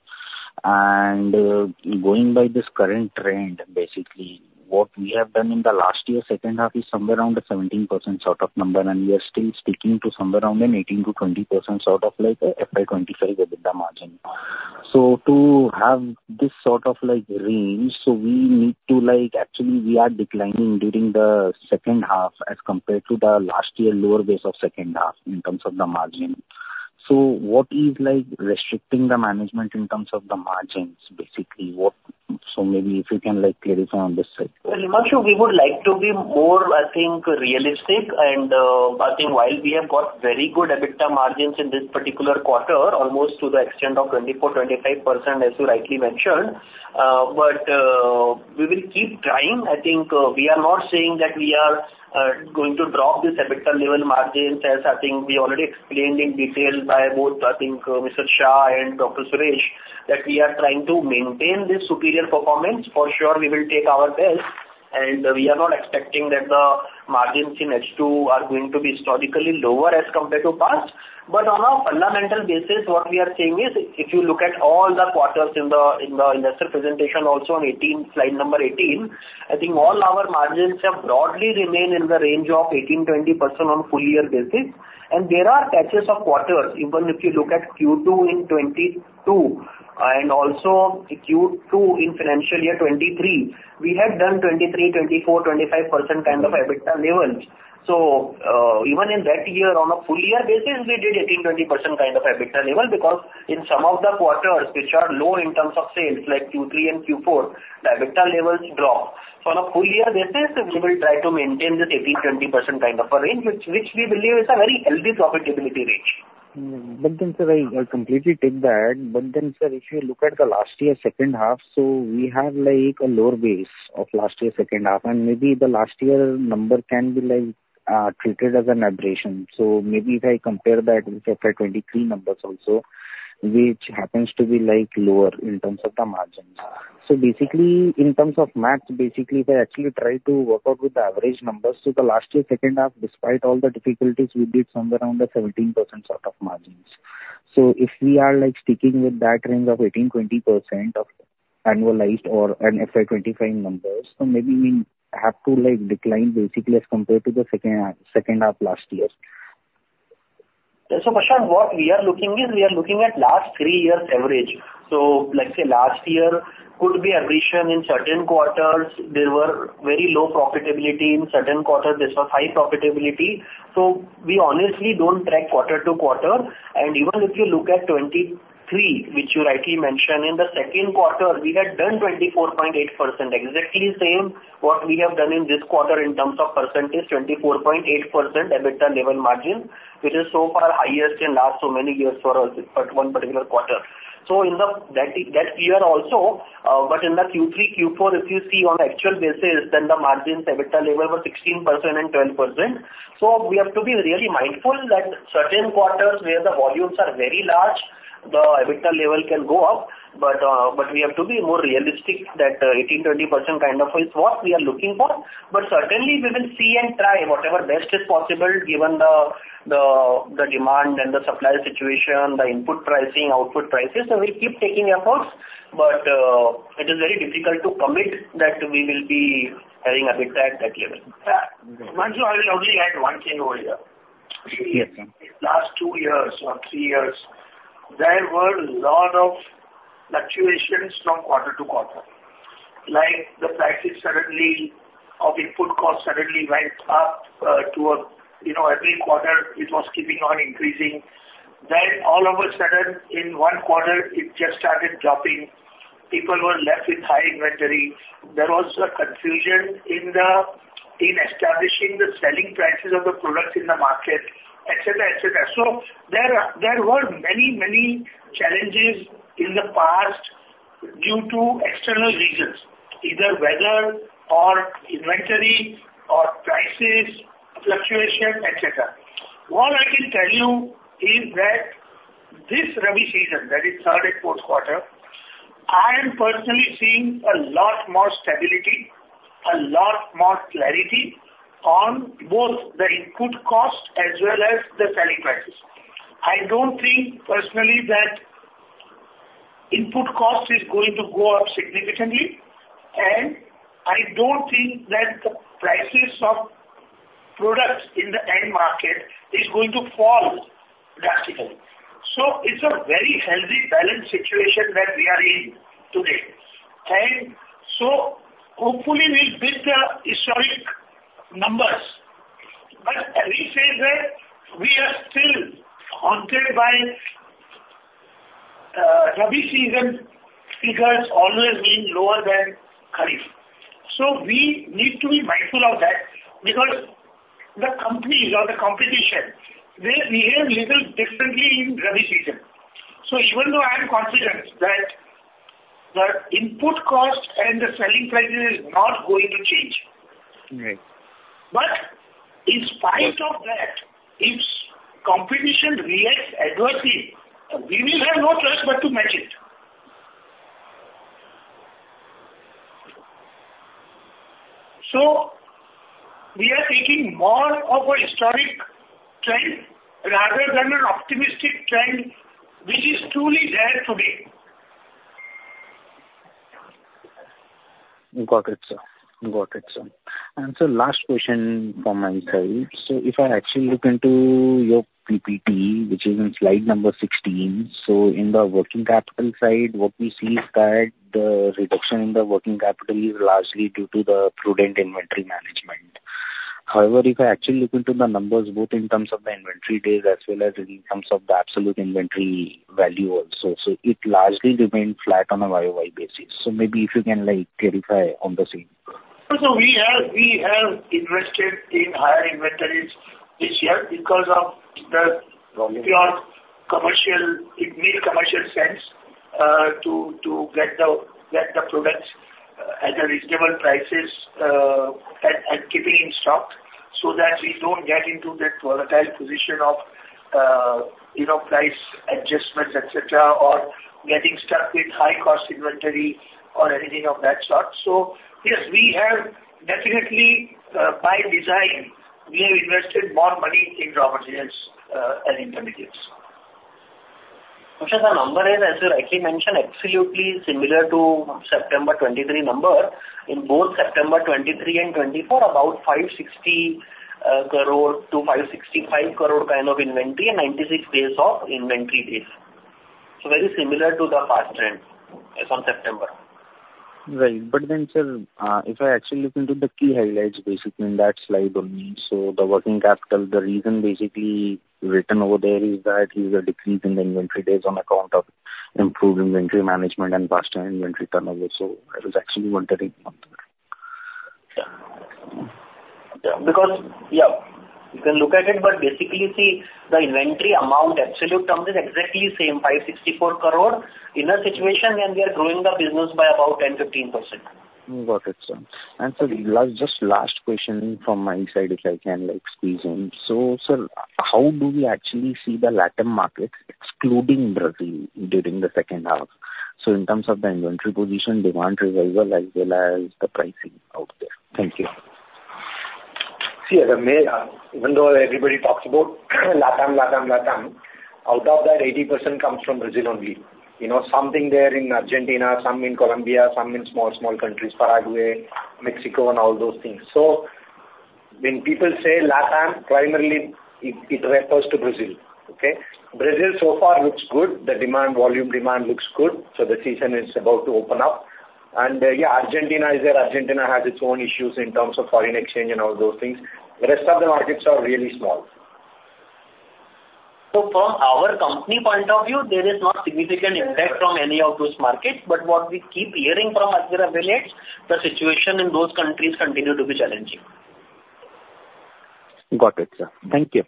And, going by this current trend, basically, what we have done in the last year, second half, is somewhere around the 17% sort of number, and we are still sticking to somewhere around an 18%-20% sort of like a FY 2025 EBITDA margin. So to have this sort of, like, range, so we need to, like, actually, we are declining during the second half as compared to the last year lower base of second half in terms of the margin. So what is, like, restricting the management in terms of the margins, basically? What? So maybe if you can, like, clarify on this side. Himanshu, we would like to be more, I think, realistic, and, I think while we have got very good EBITDA margins in this particular quarter, almost to the extent of 24-25%, as you rightly mentioned, but, we will keep trying. I think, we are not saying that we are, going to drop this EBITDA level margins, as I think we already explained in detail by both, I think, Mr. Shah and Dr. Suresh, that we are trying to maintain this superior performance. For sure, we will take our best, and we are not expecting that the margins in H2 are going to be historically lower as compared to past. But on a fundamental basis, what we are saying is, if you look at all the quarters in the investor presentation, also on 18, slide number 18, I think all our margins have broadly remained in the range of 18-20% on full year basis. And there are patches of quarters, even if you look at Q2 in 2022, and also Q2 in financial year 2023, we had done 23-25% kind of EBITDA levels. So, even in that year, on a full year basis, we did 18-20% kind of EBITDA level, because in some of the quarters which are lower in terms of sales, like Q3 and Q4, the EBITDA levels drop. On a full year basis, we will try to maintain this 18%-20% kind of a range, which we believe is a very healthy profitability range. But then, sir, I completely take that. But then, sir, if you look at the last year second half, so we have, like, a lower base of last year second half, and maybe the last year number can be, like, treated as an aberration. So maybe if I compare that with FY 2023 numbers also, which happens to be, like, lower in terms of the margins. So basically, in terms of math, basically, if I actually try to work out with the average numbers, so the last year second half, despite all the difficulties, we did somewhere around the 17% sort of margins. So if we are, like, sticking with that range of 18%-20% of annualized or an FY 2025 numbers, so maybe we have to, like, decline basically as compared to the second half second half last year. So, Himanshu, what we are looking is, we are looking at last three years average. So let's say last year could be aberration. In certain quarters, there were very low profitability, in certain quarters, there was high profitability. So we honestly don't track quarter to quarter. And even if you look at 2023, which you rightly mentioned, in the second quarter, we had done 24.8%, exactly same what we have done in this quarter in terms of percentage, 24.8% EBITDA level margin, which is so far our highest in last so many years for us at one particular quarter. So in the- that, that year also, but in the Q3, Q4, if you see on actual basis, then the margins EBITDA level was 16% and 10%. So we have to be really mindful that certain quarters where the volumes are very large, the EBITDA level can go up, but, but we have to be more realistic that 18-20% kind of is what we are looking for. But certainly, we will see and try whatever best is possible, given the demand and the supply situation, the input pricing, output prices, so we'll keep taking efforts, but it is very difficult to commit that we will be having EBITDA at that level. Himanshu, I will only add one thing over here. Yes, sir. Last two years or three years, there were a lot of fluctuations from quarter to quarter. Like, the prices suddenly of input cost suddenly went up, you know, every quarter it was keeping on increasing. Then all of a sudden, in one quarter, it just started dropping. People were left with high inventory. There was a confusion in establishing the selling prices of the products in the market, et cetera, et cetera. So there are, there were many, many challenges in the past due to external reasons, either weather or inventory or prices fluctuation, et cetera. What I can tell you is that this Rabi season, that is third and fourth quarter, I am personally seeing a lot more stability, a lot more clarity on both the input cost as well as the selling prices. I don't think personally that input cost is going to go up significantly, and I don't think that the prices of products in the end market is going to fall drastically, so it's a very healthy, balanced situation that we are in today, and so hopefully we'll beat the historic numbers, but we say that we are still haunted by Rabi season figures always being lower than Kharif, so we need to be mindful of that because the companies or the competition, they behave little differently in Rabi season, so even though I am confident that the input cost and the selling prices is not going to change. Right. But in spite of that, if competition reacts adversely, we will have no choice but to match it. So we are taking more of a historic trend rather than an optimistic trend, which is truly there today. Got it, sir. Got it, sir, and so last question from my side, so if I actually look into your PPT, which is in slide number 16, so in the working capital side, what we see is that the reduction in the working capital is largely due to the prudent inventory management. However, if I actually look into the numbers, both in terms of the inventory days as well as in terms of the absolute inventory value also, so it largely remains flat on a YOY basis, so maybe if you can, like, clarify on the same. So we have invested in higher inventories this year because of the purely commercial, it made commercial sense, to get the products at reasonable prices, and keeping in stock so that we don't get into that volatile position of, you know, price adjustments, et cetera, or getting stuck with high cost inventory or anything of that sort. So yes, we have definitely, by design, we have invested more money in raw materials, and intermediates. Actually, the number is, as you rightly mentioned, absolutely similar to September 2023 number. In both September 2023 and 2024, about 560 crore to 565 crore kind of inventory and 96 days of inventory days. So very similar to the past trend as on September. Right. But then, sir, if I actually look into the key highlights, basically in that slide only, so the working capital, the reason basically written over there is that is a decrease in the inventory days on account of improved inventory management and faster inventory turnover. So that is actually what I read. Yeah, because you can look at it, but basically, see, the inventory amount, in absolute terms, is exactly the same, 564 crore, in a situation when we are growing the business by about 10%-15%. Got it, sir. And sir, last, just last question from my side, if I can, like, squeeze in. So, sir, how do we actually see the LatAm market excluding Brazil during the second half? So in terms of the inventory position, demand revival, as well as the pricing out there. Thank you. See, if I may, even though everybody talks about LatAm, LatAm, LatAm, out of that, 80% comes from Brazil only. You know, something there in Argentina, some in Colombia, some in small, small countries, Paraguay, Mexico and all those things. So when people say LatAm, primarily, it refers to Brazil, okay? Brazil so far looks good. The demand, volume demand looks good, so the season is about to open up. And, yeah, Argentina is there. Argentina has its own issues in terms of foreign exchange and all those things. The rest of the markets are really small. So, from our company point of view, there is no significant impact from any of those markets, but what we keep hearing from our affiliates, the situation in those countries continue to be challenging. Got it, sir. Thank you.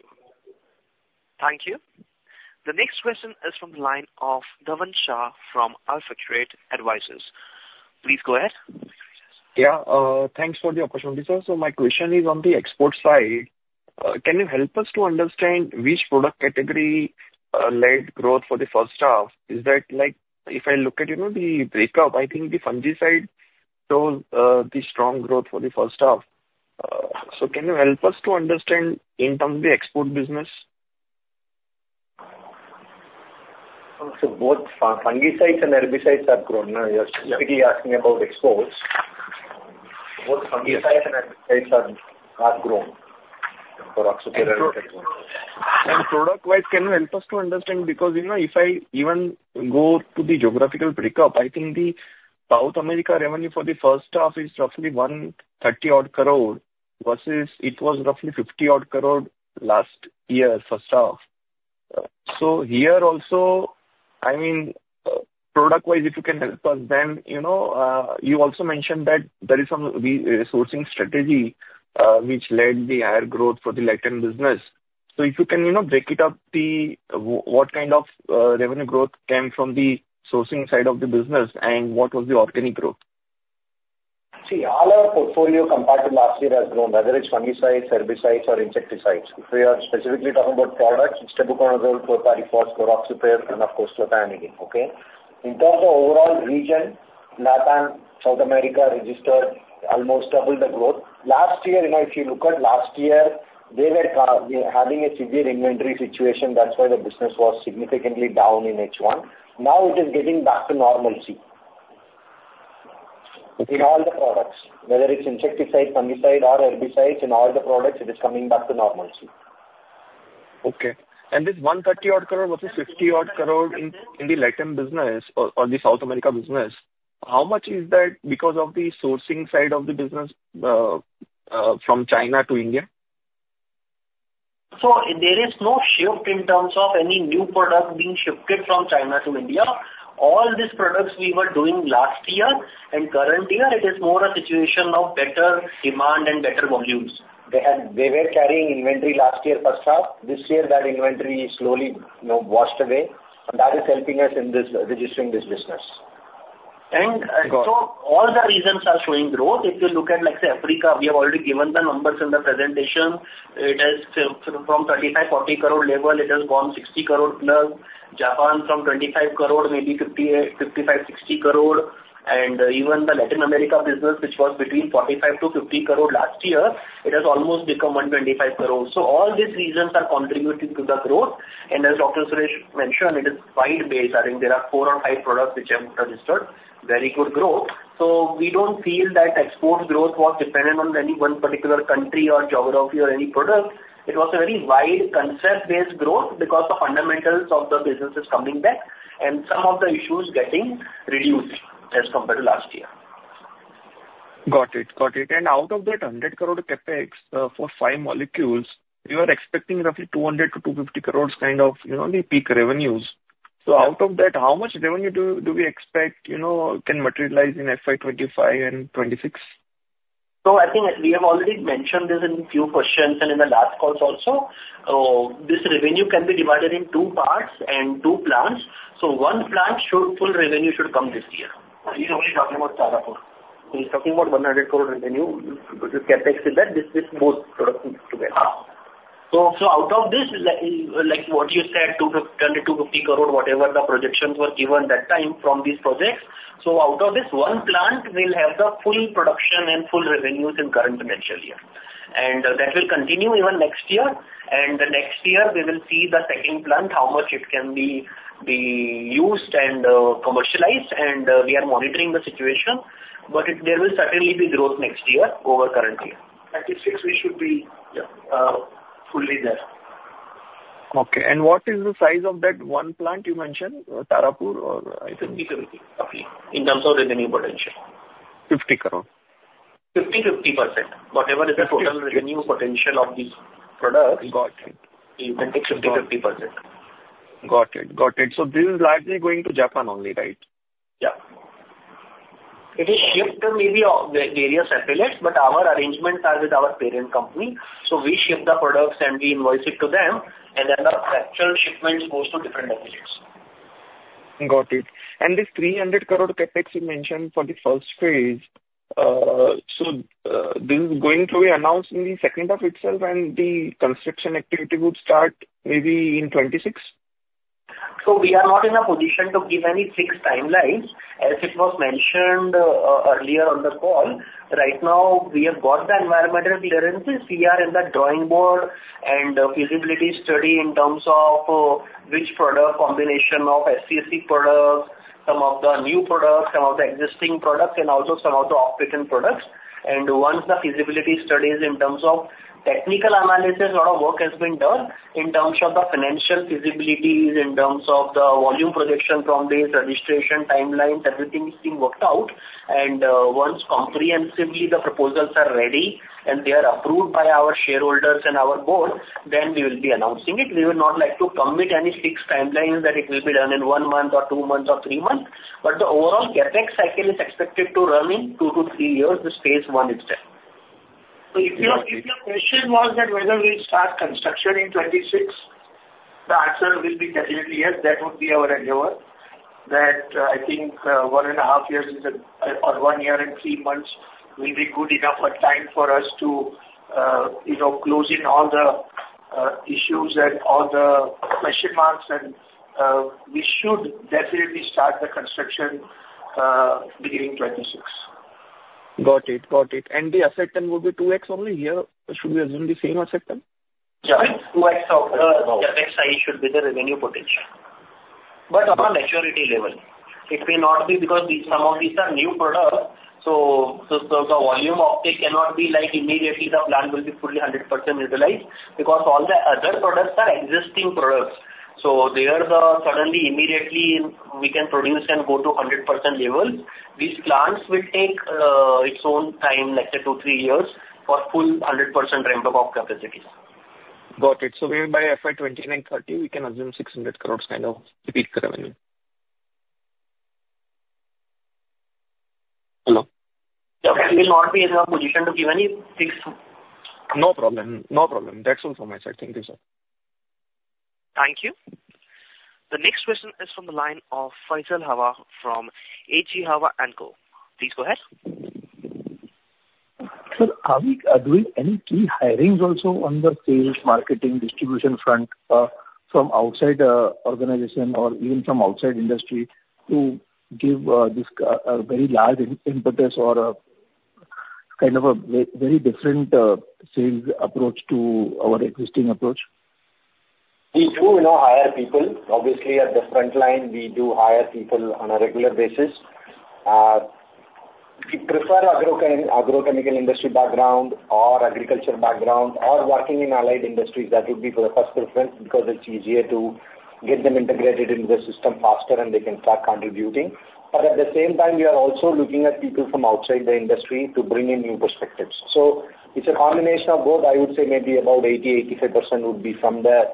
Thank you. The next question is from the line of Dhavan Shah from AlfAccurate Advisors. Please go ahead. Yeah, thanks for the opportunity, sir. So my question is on the export side. Can you help us to understand which product category led growth for the first half? Is that, like if I look at, you know, the breakup, I think the fungicide shows the strong growth for the first half. So can you help us to understand in terms of the export business? Both fungicides and herbicides have grown. You're specifically asking about exports. Both fungicides and herbicides are grown for export. Product wise, can you help us to understand? Because, you know, if I even go to the geographical breakup, I think the South America revenue for the first half is roughly 130 crore, versus it was roughly 50 crore last year, first half. So here also, I mean, product wise, if you can help us, then, you know, you also mentioned that there is some resourcing strategy, which led the higher growth for the LatAm business. So if you can, you know, break it up, what kind of revenue growth came from the sourcing side of the business, and what was the organic growth? See, all our portfolio compared to last year has grown, whether it's fungicides, herbicides or insecticides. If we are specifically talking about products, Azoxystrobin, Chlorpyrifos, chlorotaxifer and of course, Clothianidin, okay? In terms of overall region, LatAm, South America, registered almost double the growth. Last year, you know, if you look at last year, they were having a severe inventory situation. That's why the business was significantly down in H1. Now it is getting back to normalcy. In all the products, whether it's insecticides, fungicides or herbicides, in all the products, it is coming back to normalcy. Okay. And this 130-odd crore versus 50-odd crore in the LatAm business or the South America business, how much is that because of the sourcing side of the business from China to India? So there is no shift in terms of any new product being shifted from China to India. All these products we were doing last year and current year, it is more a situation of better demand and better volumes. They were carrying inventory last year, first half. This year, that inventory slowly, you know, washed away, and that is helping us in this, registering this business. And- Got it. All the regions are showing growth. If you look at, like, say, Africa, we have already given the numbers in the presentation. It has from 35-40 crore level, it has gone 60 crore plus.... Japan from 25 crore, maybe 50, 55, 60 crore, and even the Latin America business, which was between 45-50 crore last year, it has almost become 125 crore. So all these regions are contributing to the growth, and as Dr. Suresh mentioned, it is wide base. I think there are four or five products which have registered very good growth. So we don't feel that export growth was dependent on any one particular country or geography or any product. It was a very wide concept-based growth because the fundamentals of the business is coming back and some of the issues getting reduced as compared to last year. Got it. Got it. And out of that 100 crore CapEx for five molecules, you are expecting roughly 200-250 crores kind of, you know, the peak revenues. So out of that, how much revenue do we expect, you know, can materialize in FY 2025 and 2026? I think we have already mentioned this in few questions and in the last calls also. This revenue can be divided in two parts and two plants. So one plant should, full revenue should come this year. He's only talking about Tarapur. He's talking about INR 100 crore revenue, which is CapEx. Is that this both products together. Out of this, like what you said, 200-250 crore, whatever the projections were given that time from these projects. So out of this, one plant will have the full production and full revenues in current financial year. And that will continue even next year. And next year we will see the second plant, how much it can be used and commercialized, and we are monitoring the situation, but there will certainly be growth next year over current year. At this stage, we should be fully there. Okay, and what is the size of that one plant you mentioned, Tarapur or- Fifty-fifty, roughly, in terms of revenue potential. Fifty crore? 50, 50%. Whatever is the total revenue potential of these products- Got it. You can take 50-50%. Got it. Got it. So this is largely going to Japan only, right? Yeah. It is shipped to maybe various subsidiaries, but our arrangements are with our parent company. So we ship the products and we invoice it to them, and then the actual shipments goes to different countries. Got it. And this 300 crore CapEx you mentioned for the first phase, so, this is going to be announced in the second half itself, and the construction activity would start maybe in 2026? So we are not in a position to give any fixed timelines. As it was mentioned, earlier on the call, right now, we have got the environmental clearances. We are in the drawing board and feasibility study in terms of, which product, combination of SC/SE products, some of the new products, some of the existing products, and also some of the off-patent products. And once the feasibility studies in terms of technical analysis, a lot of work has been done in terms of the financial feasibilities, in terms of the volume projection from this, registration timelines, everything is being worked out. And, once comprehensively the proposals are ready and they are approved by our shareholders and our board, then we will be announcing it. We would not like to commit any fixed timelines that it will be done in one month or two months or three months, but the overall CapEx cycle is expected to run in two to three years, the phase one itself. So if your question was that whether we'll start construction in 2026, the answer will be definitely yes. That would be our endeavor, that I think one and a half years is a, or one year and three months will be good enough a time for us to, you know, close in all the issues and all the question marks and we should definitely start the construction beginning 2026. Got it. Got it. And the asset turn will be two X only here, or should we assume the same asset turn? Yeah, two X of the CapEx size should be the revenue potential, but on a maturity level, it may not be because these, some of these are new products, so the volume of it cannot be like immediately the plant will be fully 100% utilized because all the other products are existing products. So there, then suddenly, immediately we can produce and go to 100% level. These plants will take its own time, let's say two, three years, for full 100% ramp up of capacities. Got it. So maybe by FY 2029-2030, we can assume 600 crore kind of repeat the revenue. Hello? We will not be in a position to give any fixed... No problem. No problem. That's all from my side. Thank you, sir. Thank you. The next question is from the line of Faisal Hawa from H. G. Hawa & Co. Please go ahead. Sir, are we doing any key hirings also on the sales, marketing, distribution front from outside organization or even from outside industry to give this a very large impetus or kind of a very different sales approach to our existing approach? We do, you know, hire people. Obviously, at the frontline, we do hire people on a regular basis. We prefer agrochemical industry background or agriculture background or working in allied industries. That would be the first preference, because it's easier to get them integrated into the system faster, and they can start contributing. But at the same time, we are also looking at people from outside the industry to bring in new perspectives. So it's a combination of both. I would say maybe about 80-85% would be from the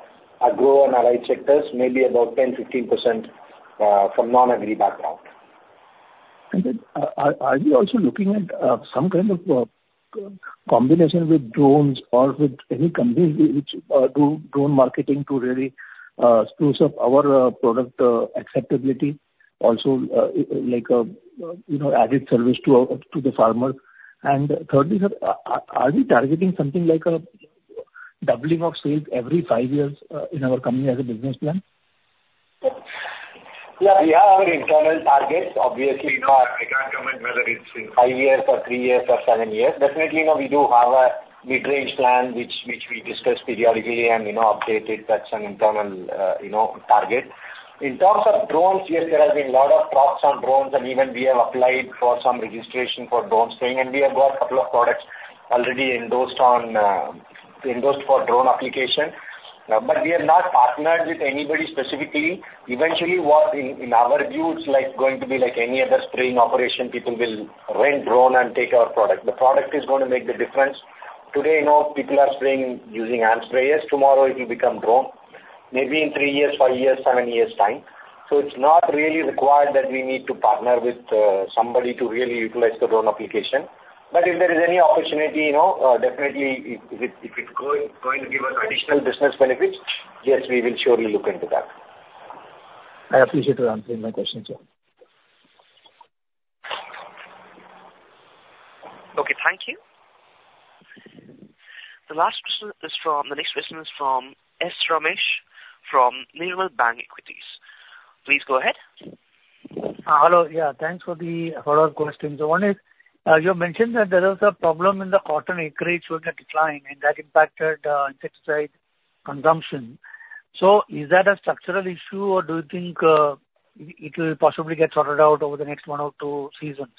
agro and allied sectors, maybe about 10-15%, from non-agri background. And then, are you also looking at some kind of combination with drones or with any company which do drone marketing to really spruce up our product acceptability, also, like, you know, added service to the farmer? And thirdly, sir, are we targeting something like a... ... doubling of sales every five years, in our company as a business plan? Yeah, we have our internal targets. Obviously, no, I can't comment whether it's five years or three years or seven years. Definitely, no, we do have a mid-range plan which we discuss periodically and, you know, update it. That's an internal, you know, target. In terms of drones, yes, there has been a lot of talks on drones, and even we have applied for some registration for drone spraying, and we have got a couple of products already endorsed for drone application. But we are not partnered with anybody specifically. Eventually, in our view, it's like going to be like any other spraying operation. People will rent drone and take our product. The product is going to make the difference. Today, you know, people are spraying using hand sprayers. Tomorrow, it will become drone, maybe in three years, five years, seven years' time. So it's not really required that we need to partner with somebody to really utilize the drone application. But if there is any opportunity, you know, definitely, if it's going to give us additional business benefits, yes, we will surely look into that. I appreciate you answering my question, sir. Okay, thank you. The last question is from... The next question is from S. Ramesh from Nirmal Bang Equities. Please go ahead. Hello. Yeah, thanks for the follow-up questions. So one is, you mentioned that there was a problem in the cotton acreage with the decline, and that impacted, insecticide consumption. So is that a structural issue, or do you think, it will possibly get sorted out over the next one or two seasons?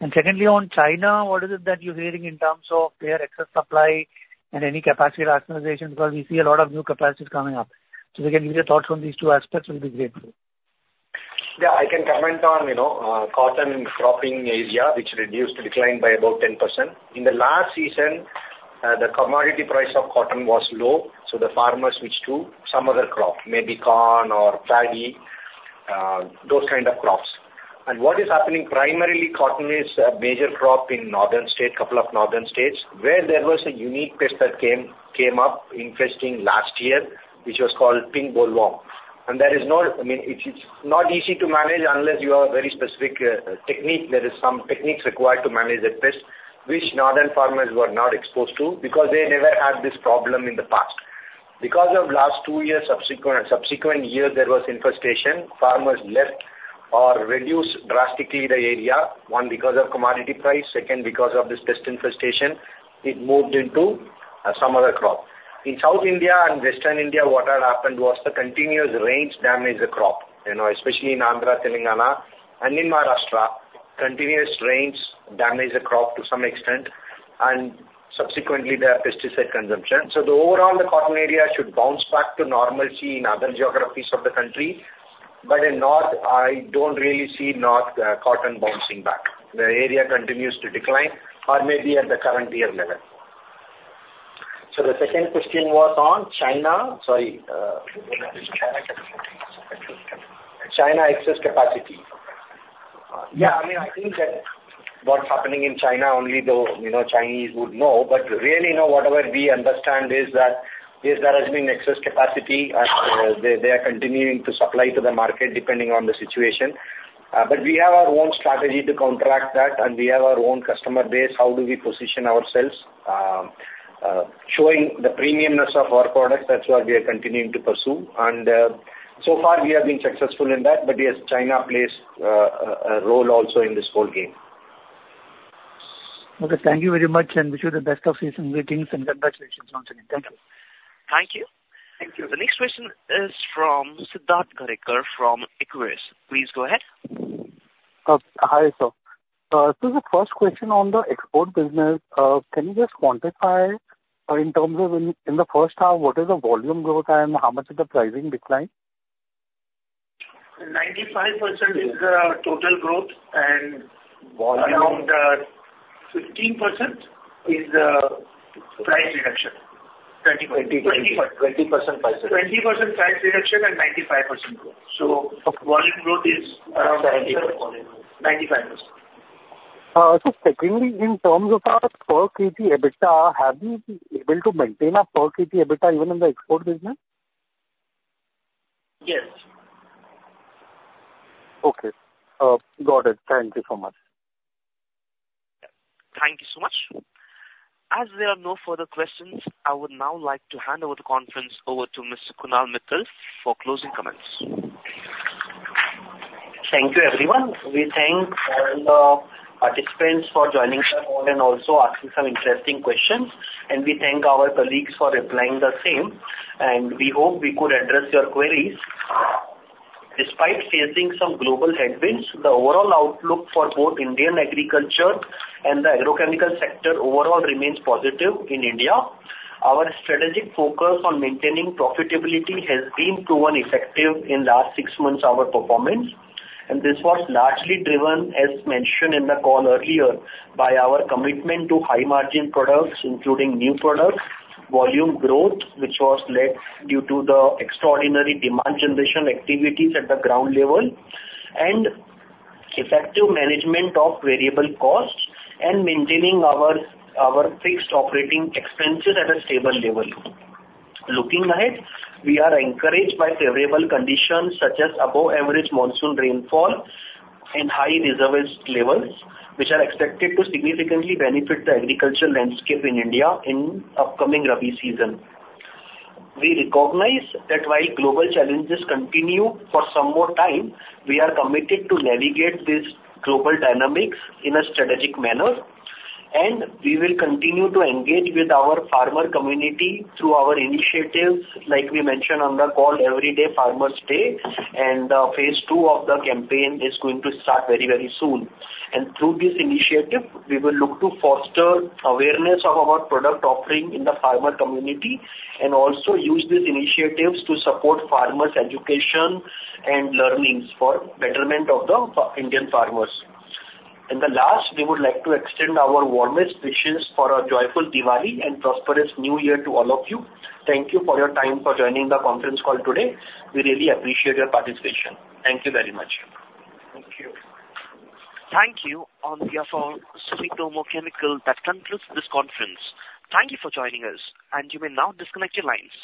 And secondly, on China, what is it that you're hearing in terms of their excess supply and any capacity rationalization? Because we see a lot of new capacities coming up. So if you can give your thoughts on these two aspects, will be grateful. Yeah, I can comment on, you know, cotton cropping area, which reduced, declined by about 10%. In the last season, the commodity price of cotton was low, so the farmers switched to some other crop, maybe corn or paddy, those kind of crops. And what is happening, primarily, cotton is a major crop in northern state, couple of northern states, where there was a unique pest that came up infesting last year, which was called pink bollworm. And there is no... I mean, it's not easy to manage unless you have very specific technique. There is some techniques required to manage that pest, which northern farmers were not exposed to, because they never had this problem in the past. Because of last two years subsequent year, there was infestation, farmers left or reduced drastically the area, one, because of commodity price, second, because of this pest infestation, it moved into some other crop. In South India and Western India, what had happened was the continuous rains damaged the crop, you know, especially in Andhra, Telangana, and in Maharashtra, continuous rains damaged the crop to some extent and subsequently the pesticide consumption. So the overall, the cotton area should bounce back to normalcy in other geographies of the country. But in North, I don't really see North cotton bouncing back. The area continues to decline or maybe at the current year level. So the second question was on China. Sorry, China excess capacity. Yeah, I mean, I think that what's happening in China, only the, you know, Chinese would know. But really, you know, whatever we understand is that, yes, there has been excess capacity, and, they are continuing to supply to the market, depending on the situation. But we have our own strategy to counteract that, and we have our own customer base. How do we position ourselves? Showing the premiumness of our product, that's what we are continuing to pursue. And, so far we have been successful in that, but, yes, China plays a role also in this whole game. Okay, thank you very much, and wish you the best of season's greetings, and congratulations once again. Thank you. Thank you. Thank you. The next question is from Siddharth Gadekar from Equirus Securities. Please go ahead. Hi, sir. So the first question on the export business, can you just quantify, in terms of, in the first half, what is the volume growth and how much is the pricing decline? 95% is the total growth and- Volume. Around 15% is the price reduction. 20%. Twenty percent. 20% price- 20% price reduction and 95% growth. So volume growth is around 95%. So secondly, in terms of our per kg EBITDA, have you been able to maintain a per kg EBITDA even in the export business? Yes. Okay, got it. Thank you so much. Thank you so much. As there are no further questions, I would now like to hand over the conference to Mr. Kunal Mittal for closing comments. Thank you, everyone. We thank all the participants for joining the call and also asking some interesting questions, and we thank our colleagues for replying the same, and we hope we could address your queries. Despite facing some global headwinds, the overall outlook for both Indian agriculture and the agrochemical sector overall remains positive in India. Our strategic focus on maintaining profitability has been proven effective in last six months, our performance, and this was largely driven, as mentioned in the call earlier, by our commitment to high-margin products, including new products, volume growth, which was led due to the extraordinary demand generation activities at the ground level, and effective management of variable costs and maintaining our, our fixed operating expenses at a stable level. Looking ahead, we are encouraged by favorable conditions, such as above average monsoon rainfall and high reserve levels, which are expected to significantly benefit the agriculture landscape in India in upcoming Rabi season. We recognize that while global challenges continue for some more time, we are committed to navigate this global dynamics in a strategic manner, and we will continue to engage with our farmer community through our initiatives. Like we mentioned on the call, Everyday Farmer's Day, and phase two of the campaign is going to start very, very soon. And through this initiative, we will look to foster awareness of our product offering in the farmer community and also use these initiatives to support farmers' education and learnings for betterment of the Indian farmers. The last, we would like to extend our warmest wishes for a joyful Diwali and prosperous New Year to all of you. Thank you for your time for joining the conference call today. We really appreciate your participation. Thank you very much. Thank you. Thank you. On behalf of Sumitomo Chemical, that concludes this conference. Thank you for joining us, and you may now disconnect your lines.